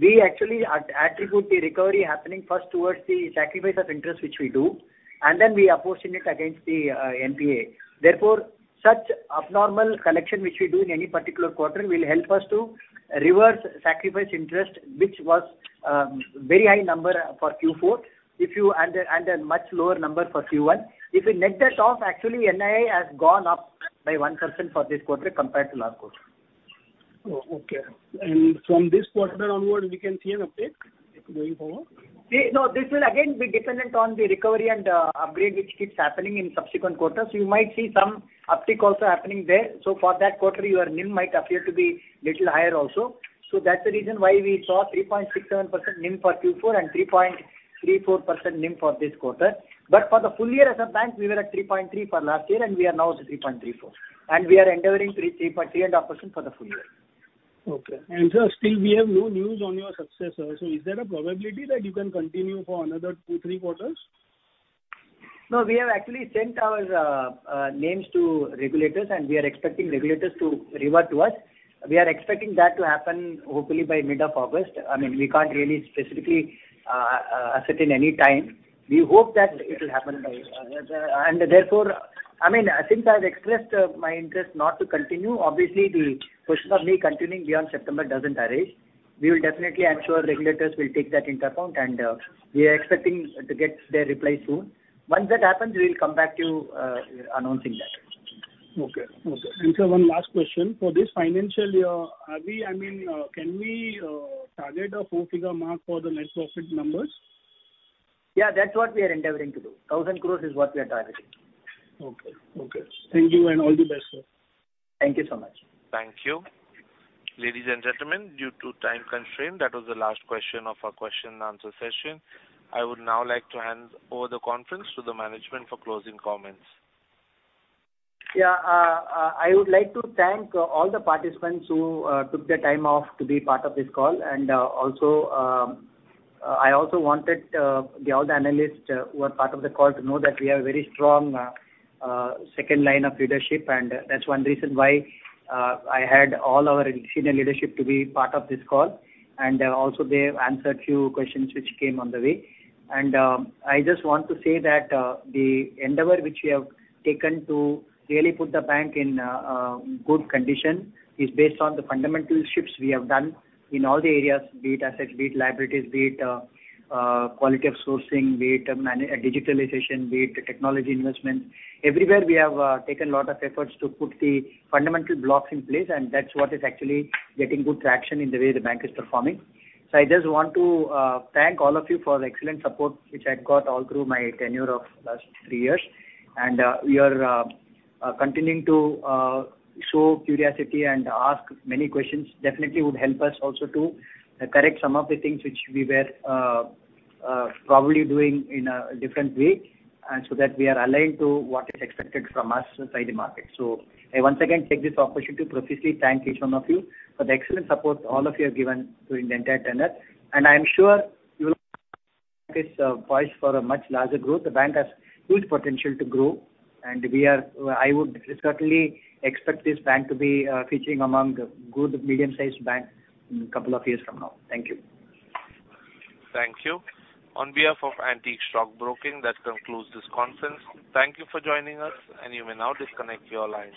We actually attribute the recovery happening first towards the sacrifice of interest, which we do, and then we are posting it against the NPA. Therefore, such abnormal collection which we do in any particular quarter will help us to reverse sacrifice interest, which was a very high number for Q4 and a much lower number for Q1. If we net that off, actually, NII has gone up by 1% for this quarter compared to last quarter. Oh, okay. From this quarter onwards, we can see an uptick going forward? See, no, this will again be dependent on the recovery and upgrade, which keeps happening in subsequent quarters. You might see some uptick also happening there. So for that quarter, your NIM might appear to be little higher also. So that's the reason why we saw 3.67% NIM for Q4 and 3.34% NIM for this quarter. But for the full year as a bank, we were at 3.3 for last year, and we are now at 3.34. And we are endeavoring 3.3-3.5% for the full year. Okay. And, sir, still we have no news on your successor, so is there a probability that you can continue for another 2, 3 quarters? No, we have actually sent our names to regulators, and we are expecting regulators to revert to us. We are expecting that to happen hopefully by mid of August. I mean, we can't really specifically assert in any time. We hope that it will happen by. And therefore, I mean, since I've expressed my interest not to continue, obviously the question of me continuing beyond September doesn't arise. We will definitely ensure regulators will take that into account, and we are expecting to get their reply soon. Once that happens, we will come back to announcing that. Okay. Okay. And sir, one last question. For this financial year, are we, I mean, can we target a four-figure mark for the net profit numbers? Yeah, that's what we are endeavoring to do. 1,000 crore is what we are targeting. Okay. Okay. Thank you, and all the best, sir. Thank you so much. Thank you. Ladies and gentlemen, due to time constraint, that was the last question of our question and answer session. I would now like to hand over the conference to the management for closing comments. Yeah, I would like to thank all the participants who took the time off to be part of this call. Also, I also wanted all the analysts who are part of the call to know that we have a very strong second line of leadership, and that's one reason why I had all our senior leadership to be part of this call. Also they have answered few questions which came on the way. I just want to say that the endeavor which we have taken to really put the bank in good condition is based on the fundamental shifts we have done in all the areas, be it asset, be it liabilities, be it quality of sourcing, be it digitalization, be it technology investment. Everywhere, we have taken a lot of efforts to put the fundamental blocks in place, and that's what is actually getting good traction in the way the bank is performing. So I just want to thank all of you for the excellent support which I got all through my tenure of last three years. And you're continuing to show curiosity and ask many questions, definitely would help us also to correct some of the things which we were probably doing in a different way, and so that we are aligned to what is expected from us by the market. So I once again take this opportunity to profusely thank each one of you for the excellent support all of you have given during the entire tenure. And I'm sure you will is poised for a much larger growth. The bank has huge potential to grow, and we are. I would certainly expect this bank to be featuring among the good medium-sized bank in couple of years from now. Thank you. Thank you. On behalf of Antique Stock Broking, that concludes this conference. Thank you for joining us, and you may now disconnect your lines.